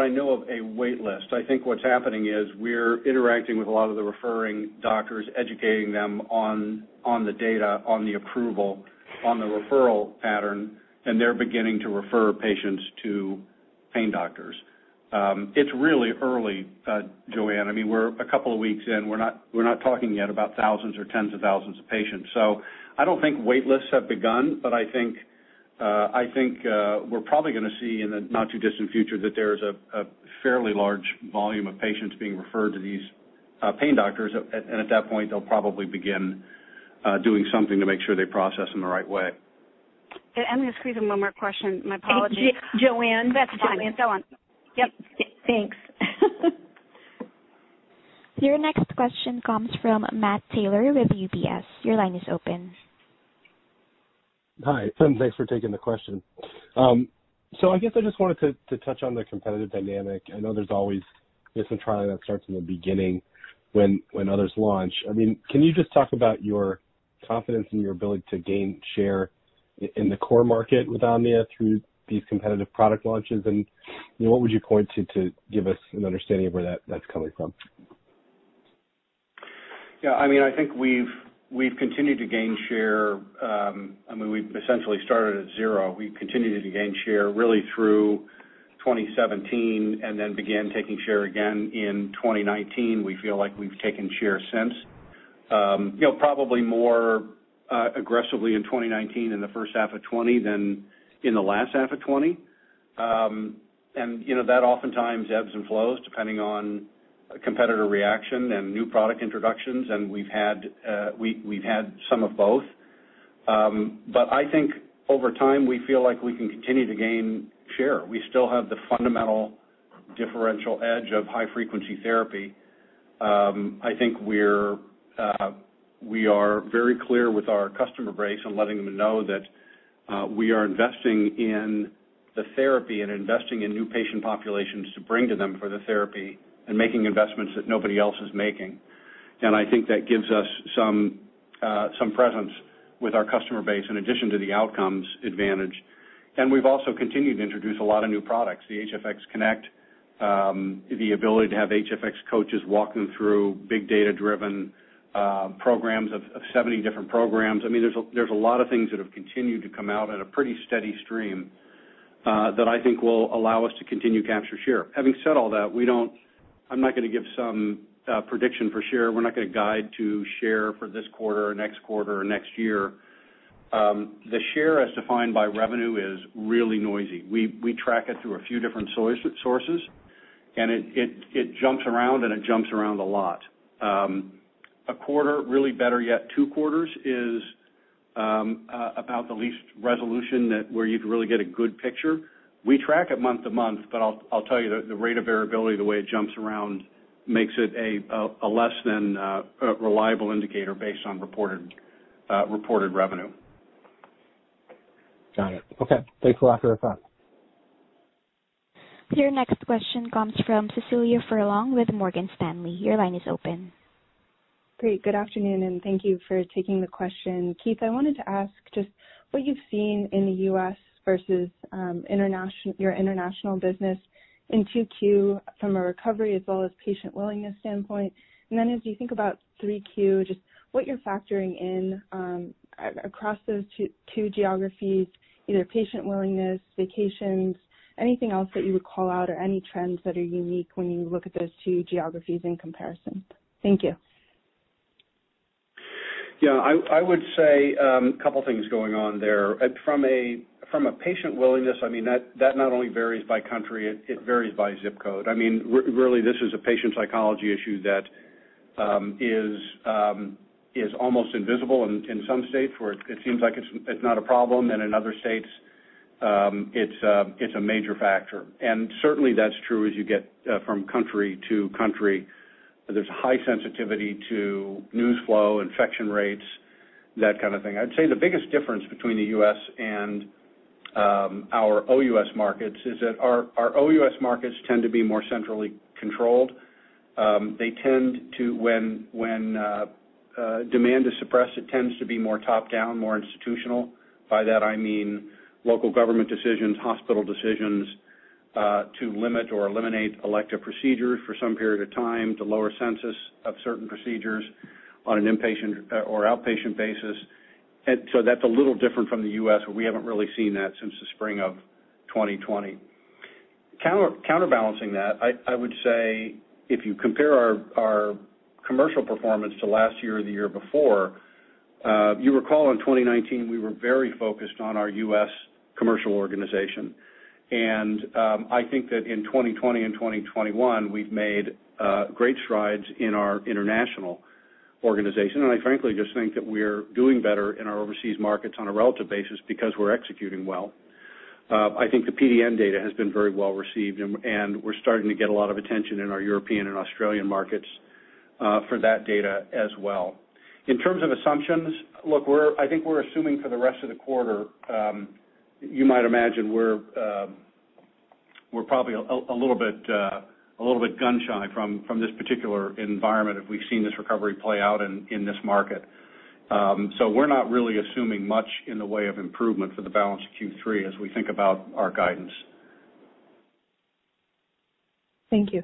I know of a waitlist. I think what's happening is we're interacting with a lot of the referring doctors, educating them on the data, on the approval, on the referral pattern, and they're beginning to refer patients to pain doctors. It's really early, Joanne. We're a couple of weeks in. We're not talking yet about thousands or tens of thousands of patients. I don't think waitlists have begun, but I think we're probably going to see in the not-too-distant future that there is a fairly large volume of patients being referred to these pain doctors. At that point, they'll probably begin doing something to make sure they process in the right way. I'm going to squeeze in one more question. My apologies. Joanne? That's fine. Go on. Yep. Thanks. Your next question comes from Matt Taylor with UBS. Your line is open. Hi, thanks for taking the question. I guess I just wanted to touch on the competitive dynamic. I know there's always this and try that starts in the beginning when others launch. Can you just talk about your confidence in your ability to gain share in the core market with Omnia through these competitive product launches, and what would you point to to give us an understanding of where that's coming from? I think we've continued to gain share. We essentially started at zero. We continued to gain share really through 2017, and then began taking share again in 2019. We feel like we've taken share since. Probably more aggressively in 2019, in the first half of 2020 than in the last half of 2020. That oftentimes ebbs and flows depending on competitor reaction and new product introductions, and we've had some of both. I think over time, we feel like we can continue to gain share. We still have the fundamental differential edge of high-frequency therapy. I think we are very clear with our customer base on letting them know that we are investing in the therapy and investing in new patient populations to bring to them for the therapy and making investments that nobody else is making. I think that gives us some presence with our customer base in addition to the outcomes advantage. We've also continued to introduce a lot of new products, the HFX Connect, the ability to have HFX Coach walk them through big data-driven programs of 70 different programs. There's a lot of things that have continued to come out at a pretty steady stream, that I think will allow us to continue to capture share. Having said all that, I'm not going to give some prediction for share. We're not going to guide to share for this quarter or next quarter or next year. The share as defined by revenue is really noisy. We track it through a few different sources, and it jumps around, and it jumps around a lot. A quarter, really better yet two quarters, is about the least resolution that where you can really get a good picture. We track it month to month, I'll tell you the rate of variability, the way it jumps around makes it a less than reliable indicator based on reported revenue. Got it. Okay. Thanks a lot for the time. Your next question comes from Cecilia Furlong with Morgan Stanley. Your line is open. Great. Good afternoon. Thank you for taking the question. Keith, I wanted to ask just what you've seen in the U.S. versus your international business in 2Q from a recovery as well as patient willingness standpoint. Then as you think about 3Q, just what you're factoring in across those two geographies, either patient willingness, vacations, anything else that you would call out or any trends that are unique when you look at those two geographies in comparison. Thank you. Yeah. I would say, two things going on there. From a patient willingness, that not only varies by country, it varies by ZIP code. Really, this is a patient psychology issue that is almost invisible in some states where it seems like it's not a problem, and in other states, it's a major factor. Certainly, that's true as you get from country to country. There's high sensitivity to news flow, infection rates, that kind of thing. I'd say the biggest difference between the U.S. and our OUS markets is that our OUS markets tend to be more centrally controlled. When demand is suppressed, it tends to be more top-down, more institutional. By that I mean local government decisions, hospital decisions to limit or eliminate elective procedures for some period of time to lower census of certain procedures on an inpatient or outpatient basis. That's a little different from the U.S., where we haven't really seen that since the spring of 2020. Counterbalancing that, I would say if you compare our commercial performance to last year or the year before, you recall in 2019, we were very focused on our U.S. commercial organization. I think that in 2020 and 2021, we've made great strides in our international organization, and I frankly just think that we're doing better in our overseas markets on a relative basis because we're executing well. I think the PDN data has been very well received, and we're starting to get a lot of attention in our European and Australian markets for that data as well. In terms of assumptions, I think we're assuming for the rest of the quarter, you might imagine we're probably a little bit gun-shy from this particular environment if we've seen this recovery play out in this market. We're not really assuming much in the way of improvement for the balance of Q3 as we think about our guidance. Thank you.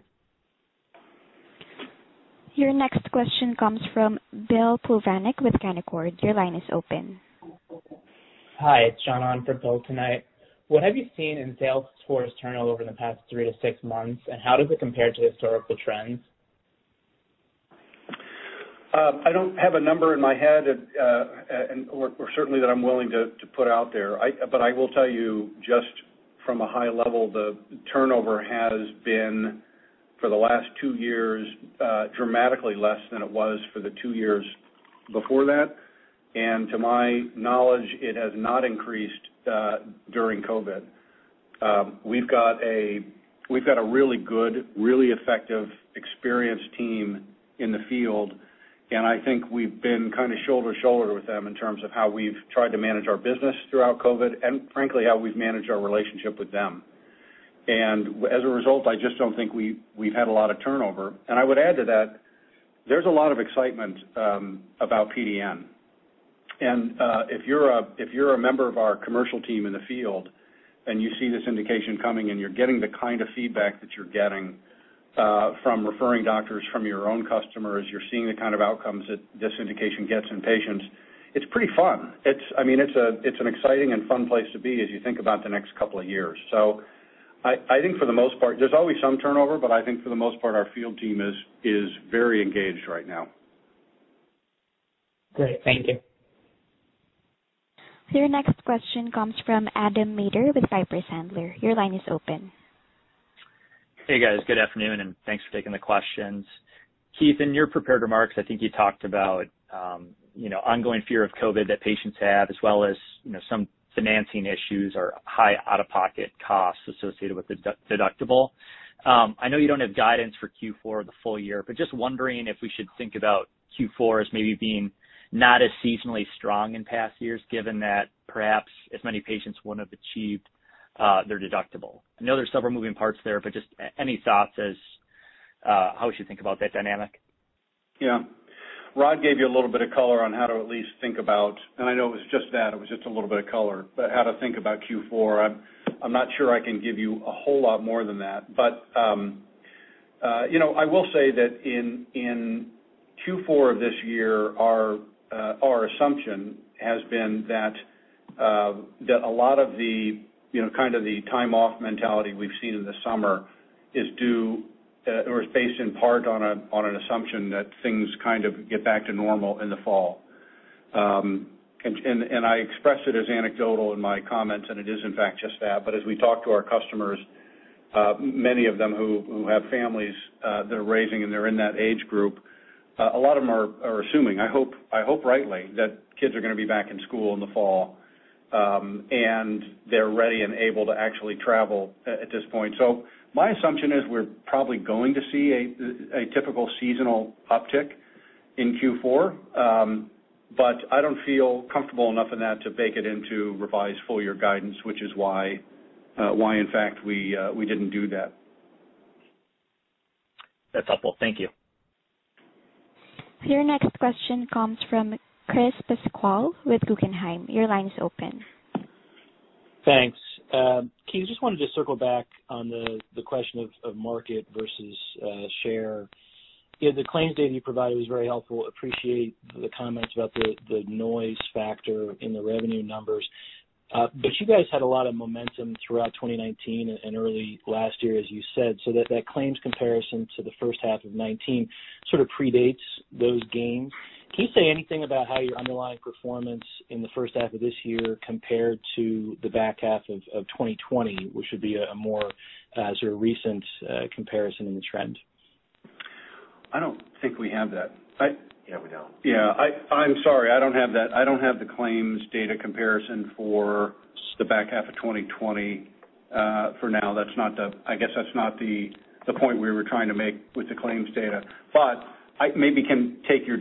Your next question comes from Bill Plovanic with Canaccord. Your line is open. Hi, it's John on for Bill tonight. What have you seen in sales force turnover in the past three to six months, and how does it compare to historical trends? I don't have a number in my head, or certainly that I'm willing to put out there. I will tell you just from a high level, the turnover has been, for the last two years, dramatically less than it was for the two years before that. To my knowledge, it has not increased during COVID. We've got a really good, really effective, experienced team in the field. I think we've been kind of shoulder to shoulder with them in terms of how we've tried to manage our business throughout COVID, and frankly, how we've managed our relationship with them. As a result, I just don't think we've had a lot of turnover. I would add to that, there's a lot of excitement about PDN. If you're a member of our commercial team in the field and you're getting the kind of feedback that you're getting from referring doctors, from your own customers, you're seeing the kind of outcomes that this indication gets in patients, it's pretty fun. It's an exciting and fun place to be as you think about the next couple of years. I think for the most part, there's always some turnover, but I think for the most part, our field team is very engaged right now. Great. Thank you. Your next question comes from Adam Maeder with Piper Sandler. Your line is open. Hey, guys. Good afternoon. Thanks for taking the questions. Keith, in your prepared remarks, I think you talked about ongoing fear of COVID that patients have, as well as some financing issues or high out-of-pocket costs associated with the deductible. I know you don't have guidance for Q4 or the full year. Just wondering if we should think about Q4 as maybe being not as seasonally strong in past years, given that perhaps as many patients wouldn't have achieved their deductible. I know there's several moving parts there. Just any thoughts as how we should think about that dynamic? Yeah. Rod gave you a little bit of color on how to at least think about, and I know it was just that, it was just a little bit of color, but how to think about Q4. I'm not sure I can give you a whole lot more than that. I will say that in Q4 of this year, our assumption has been that a lot of the time off mentality we've seen in the summer is due, or is based in part on an assumption that things kind of get back to normal in the fall. I expressed it as anecdotal in my comments, and it is in fact just that, but as we talk to our customers, many of them who have families they're raising and they're in that age group, a lot of them are assuming, I hope rightly, that kids are going to be back in school in the fall. They're ready and able to actually travel at this point. My assumption is we're probably going to see a typical seasonal uptick in Q4. I don't feel comfortable enough in that to bake it into revised full-year guidance, which is why in fact we didn't do that. That's helpful. Thank you. Your next question comes from Chris Pasquale with Guggenheim. Your line is open. Thanks. Keith, just wanted to circle back on the question of market versus share. Yeah, the claims data you provided was very helpful. Appreciate the comments about the noise factor in the revenue numbers. You guys had a lot of momentum throughout 2019 and early last year, as you said. That claims comparison to the first half of 2019 sort of predates those gains. Can you say anything about how your underlying performance in the first half of this year compared to the back half of 2020, which would be a more sort of recent comparison in the trend? I don't think we have that. Yeah, we don't. Yeah. I'm sorry. I don't have that. I don't have the claims data comparison for the back half of 2020. For now, I guess that's not the point we were trying to make with the claims data. I maybe can take your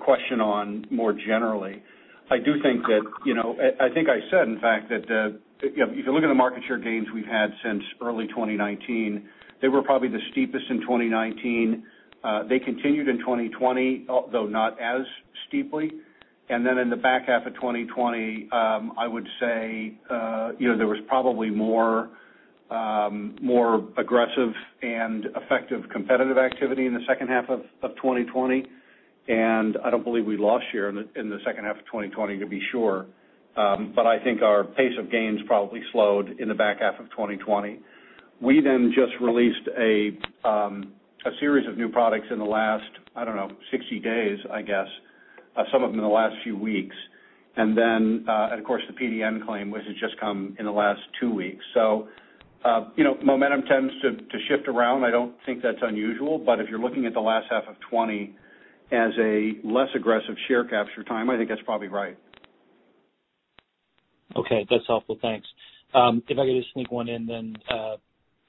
question on more generally. I think I said, in fact, that if you look at the market share gains we've had since early 2019, they were probably the steepest in 2019. They continued in 2020, though not as steeply. In the back half of 2020, I would say there was probably more aggressive and effective competitive activity in the second half of 2020. I don't believe we lost share in the second half of 2020, to be sure. I think our pace of gains probably slowed in the back half of 2020. We then just released a series of new products in the last, I don't know, 60 days, I guess. Some of them in the last few weeks. Then, and of course, the PDN claim, which has just come in the last two weeks. Momentum tends to shift around. I don't think that's unusual. If you're looking at the last half of 2020 as a less aggressive share capture time, I think that's probably right. Okay, that's helpful. Thanks. If I could just sneak one in then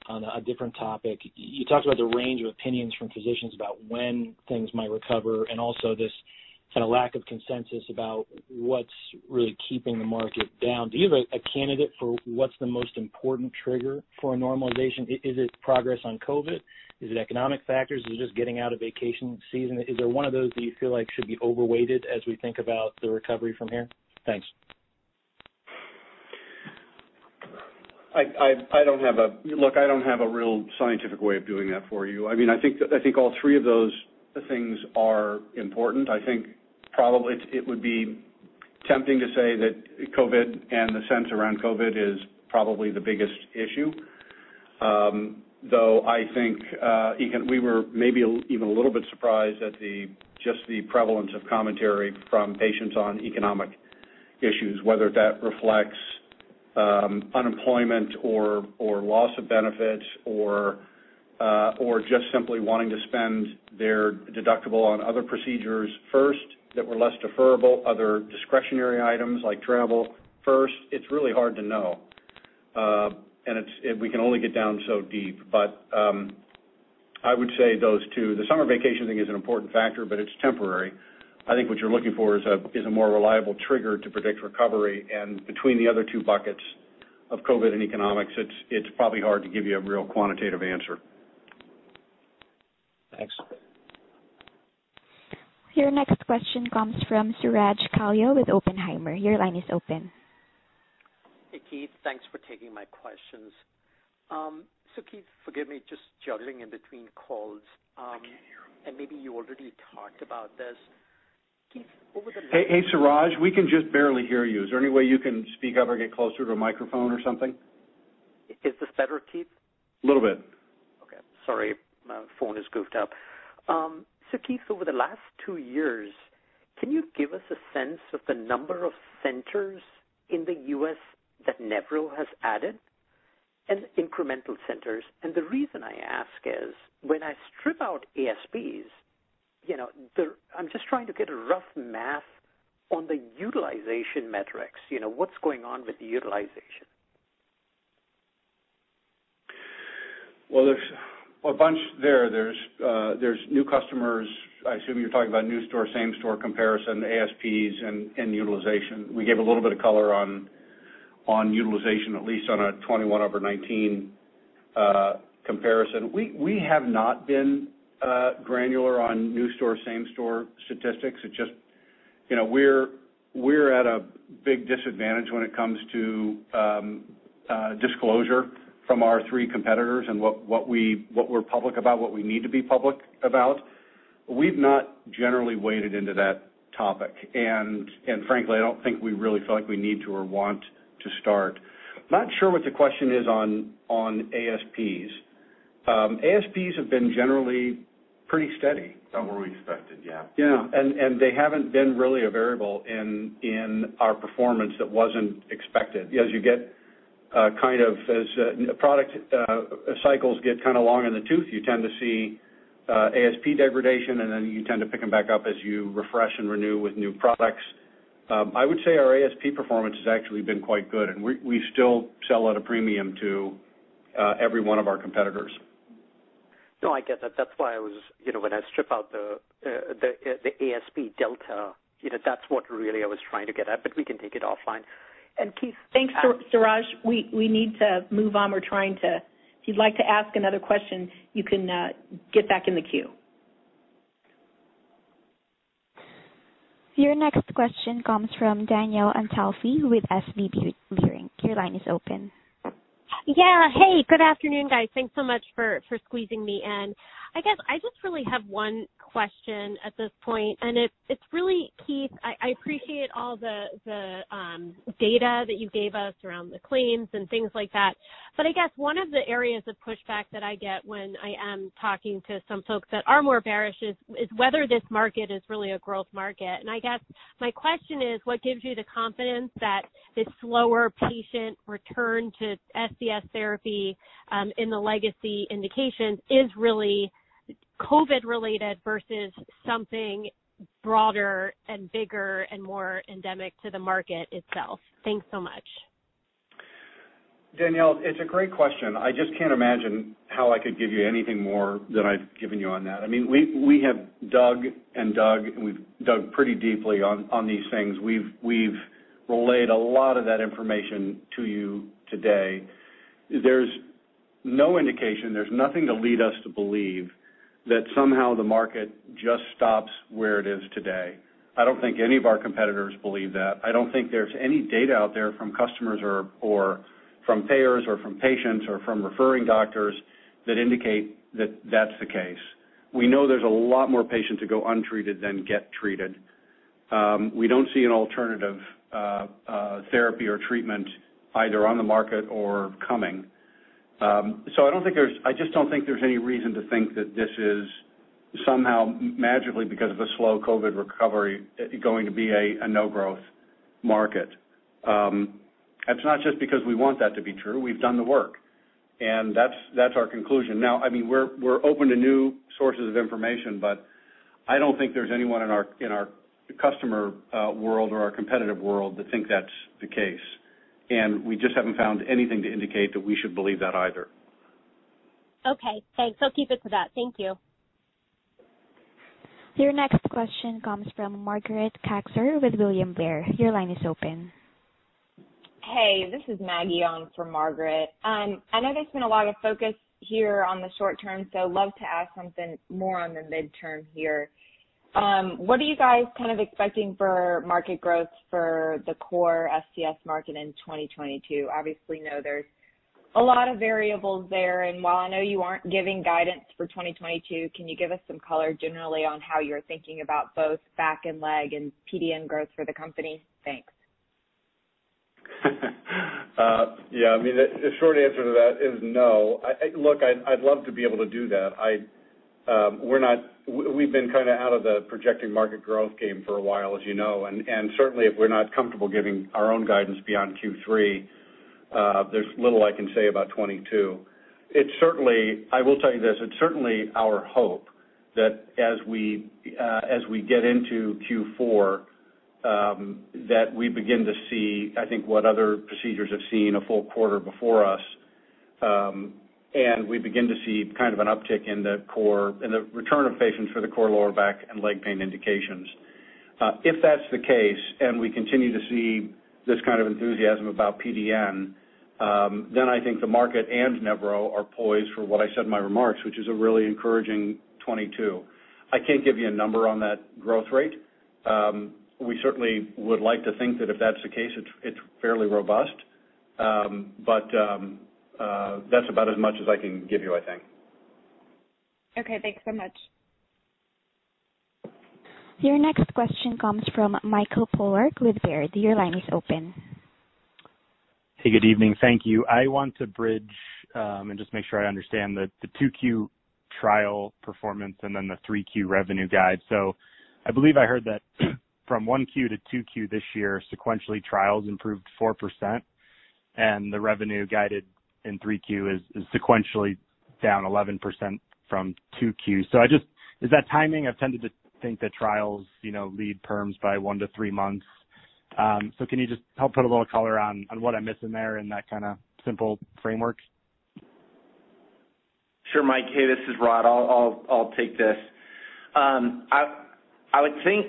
on a different topic. You talked about the range of opinions from physicians about when things might recover and also this lack of consensus about what's really keeping the market down. Do you have a candidate for what's the most important trigger for a normalization? Is it progress on COVID? Is it economic factors? Is it just getting out of vacation season? Is there one of those that you feel like should be overweighted as we think about the recovery from here? Thanks. Look, I don't have a real scientific way of doing that for you. I think all three of those things are important. I think probably it would be tempting to say that COVID and the sense around COVID is probably the biggest issue. Though I think we were maybe even a little bit surprised at just the prevalence of commentary from patients on economic issues, whether that reflects unemployment or loss of benefits or just simply wanting to spend their deductible on other procedures first that were less deferrable, other discretionary items like travel first. It's really hard to know. We can only get down so deep, but I would say those two. The summer vacation thing is an important factor, but it's temporary. I think what you're looking for is a more reliable trigger to predict recovery, and between the other two buckets of COVID and economics, it's probably hard to give you a real quantitative answer. Thanks. Your next question comes from Suraj Kalia with Oppenheimer. Your line is open. Hey, Keith. Thanks for taking my questions. Keith, forgive me, just juggling in between calls. I can't hear him. Maybe you already talked about this, Keith. Hey, Suraj. We can just barely hear you. Is there any way you can speak up or get closer to a microphone or something? Is this better, Keith? A little bit. Okay. Sorry. My phone is goofed up. Keith, over the last two years, can you give us a sense of the number of centers in the U.S. that Nevro has added? Incremental centers. The reason I ask is, when I strip out ASPs, I'm just trying to get a rough math on the utilization metrics. What's going on with the utilization? Well, there's a bunch there. There's new customers. I assume you're talking about new store, same store comparison, ASPs, and utilization. We gave a little bit of color on utilization, at least on a 2021 over 2019 comparison. We have not been granular on new store, same store statistics. We're at a big disadvantage when it comes to disclosure from our three competitors and what we're public about, what we need to be public about. We've not generally waded into that topic. Frankly, I don't think we really feel like we need to or want to start. Not sure what the question is on ASPs. ASPs have been generally pretty steady. About where we expected, yeah. Yeah. They haven't been really a variable in our performance that wasn't expected. As product cycles get kind of long in the tooth, you tend to see ASP degradation, and then you tend to pick them back up as you refresh and renew with new products. I would say our ASP performance has actually been quite good, and we still sell at a premium to every one of our competitors. No, I get that. That's why when I strip out the ASP delta, that's what really I was trying to get at, but we can take it offline. Thanks, Suraj. We need to move on. If you'd like to ask another question, you can get back in the queue. Your next question comes from Danielle Antalffy with SVB Leerink. Your line is open. Yeah. Hey, good afternoon, guys. Thanks so much for squeezing me in. I guess I just really have one question at this point. It's really, Keith, I appreciate all the data that you gave us around the claims and things like that. I guess one of the areas of pushback that I get when I am talking to some folks that are more bearish is whether this market is really a growth market. I guess my question is, what gives you the confidence that this slower patient return to SCS therapy in the legacy indications is really COVID related versus something broader and bigger and more endemic to the market itself? Thanks so much. Danielle, it's a great question. I just can't imagine how I could give you anything more than I've given you on that. We have dug and dug, and we've dug pretty deeply on these things. We've relayed a lot of that information to you today. There's no indication, there's nothing to lead us to believe that somehow the market just stops where it is today. I don't think any of our competitors believe that. I don't think there's any data out there from customers or from payers or from patients or from referring doctors that indicate that that's the case. We know there's a lot more patients that go untreated than get treated. We don't see an alternative therapy or treatment either on the market or coming. I just don't think there's any reason to think that this is somehow magically because of a slow COVID recovery going to be a no-growth market. It's not just because we want that to be true. We've done the work. That's our conclusion. Now, we're open to new sources of information, but I don't think there's anyone in our customer world or our competitive world that think that's the case. We just haven't found anything to indicate that we should believe that either. Okay, thanks. I'll keep it to that. Thank you. Your next question comes from Margaret Kaczor with William Blair. Your line is open. Hey, this is Maggie on for Margaret. I know there's been a lot of focus here on the short-term, so love to ask something more on the midterm here. What are you guys kind of expecting for market growth for the core SCS market in 2022? Obviously know there's a lot of variables there, and while I know you aren't giving guidance for 2022, can you give us some color generally on how you're thinking about both back and leg and PDN growth for the company? Thanks. Yeah. The short answer to that is no. Look, I'd love to be able to do that. We've been kind of out of the projecting market growth game for a while, as you know. Certainly, if we're not comfortable giving our own guidance beyond Q3, there's little I can say about 2022. I will tell you this, it's certainly our hope that as we get into Q4, that we begin to see, I think, what other procedures have seen a full quarter before us, and we begin to see kind of an uptick in the return of patients for the core lower back and leg pain indications. If that's the case and we continue to see this kind of enthusiasm about PDN, then I think the market and Nevro are poised for what I said in my remarks, which is a really encouraging 2022. I can't give you a number on that growth rate. We certainly would like to think that if that's the case, it's fairly robust. That's about as much as I can give you, I think. Okay, thanks so much. Your next question comes from Mike Polark with Baird. Your line is open. Hey, good evening. Thank you. I want to bridge and just make sure I understand the 2Q trial performance and then the 3Q revenue guide. I believe I heard that from 1Q to 2Q this year, sequentially, trials improved 4% and the revenue guided in 3Q is sequentially down 11% from 2Q. Is that timing? I've tended to think that trials lead perms by one to three months. Can you just help put a little color on what I'm missing there in that kind of simple framework? Sure, Mike. Hey, this is Rod. I'll take this. I would think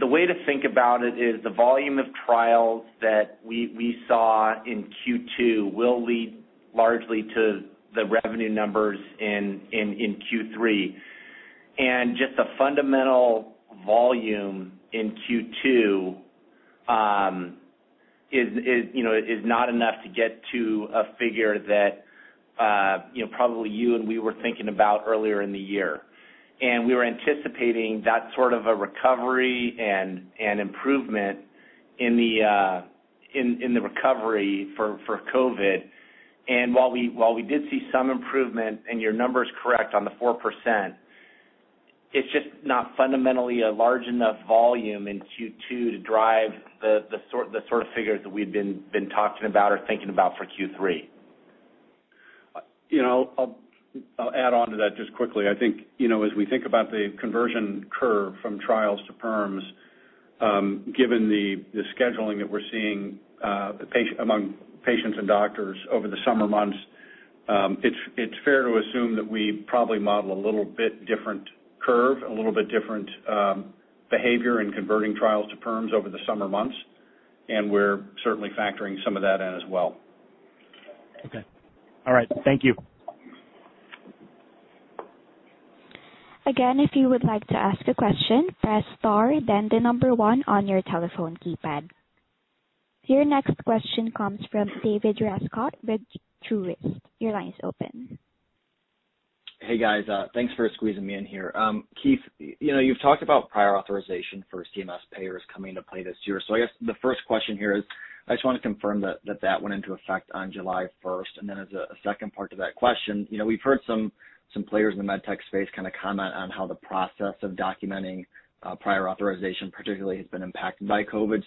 the way to think about it is the volume of trials that we saw in Q2 will lead largely to the revenue numbers in Q3. Just the fundamental volume in Q2 is not enough to get to a figure that probably you and we were thinking about earlier in the year. We were anticipating that sort of a recovery and improvement in the recovery for COVID. While we did see some improvement, and your number is correct on the 4%, it's just not fundamentally a large enough volume in Q2 to drive the sort of figures that we've been talking about or thinking about for Q3. I'll add on to that just quickly. I think, as we think about the conversion curve from trials to perms, given the scheduling that we're seeing among patients and doctors over the summer months, it's fair to assume that we probably model a little bit different curve, a little bit different behavior in converting trials to perms over the summer months, and we're certainly factoring some of that in as well. Okay. All right. Thank you. Again if you would like to ask question, press star, then the number one on you telephone keypad .Your next question comes from David Rescott with Truist. Your line is open. Hey, guys. Thanks for squeezing me in here. Keith, you've talked about prior authorization for CMS payers coming into play this year. I guess the first question here is, I just want to confirm that that went into effect on July 1st. As a second part to that question, we've heard some players in the med tech space kind of comment on how the process of documenting prior authorization particularly has been impacted by COVID.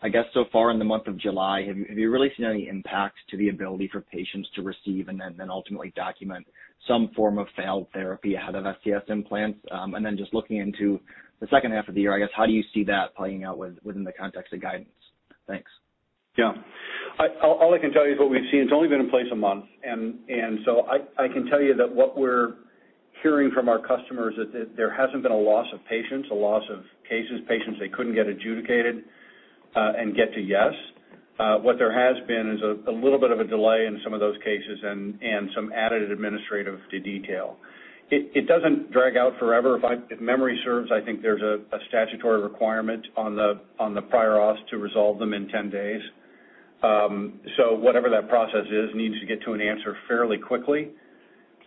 I guess so far in the month of July, have you really seen any impact to the ability for patients to receive and then ultimately document some form of failed therapy ahead of SCS implants? Just looking into the second half of the year, I guess how do you see that playing out within the context of guidance? Thanks. Yeah. All I can tell you is what we've seen. It's only been in place a month, and so I can tell you that what we're hearing from our customers is that there hasn't been a loss of patients, a loss of cases, patients they couldn't get adjudicated and get to yes. What there has been is a little bit of a delay in some of those cases and some added administrative to detail. It doesn't drag out forever. If memory serves, I think there's a statutory requirement on the prior auths to resolve them in 10 days. Whatever that process is needs to get to an answer fairly quickly.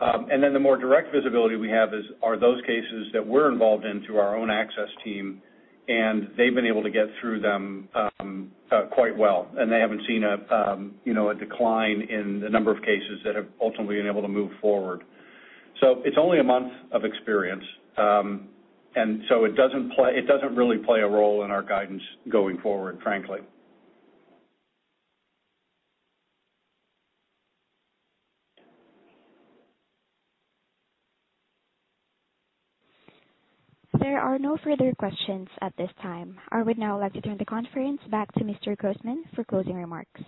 The more direct visibility we have are those cases that we're involved in through our own Access team, and they've been able to get through them quite well. They haven't seen a decline in the number of cases that have ultimately been able to move forward. It's only a month of experience. It doesn't really play a role in our guidance going forward, frankly. There are no further questions at this time. I would now like to turn the conference back to Mr. Grossman for closing remarks.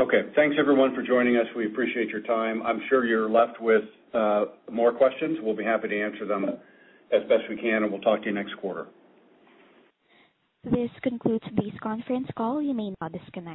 Okay. Thanks everyone for joining us. We appreciate your time. I'm sure you're left with more questions. We'll be happy to answer them as best we can, and we'll talk to you next quarter. This concludes this conference call. You may now disconnect.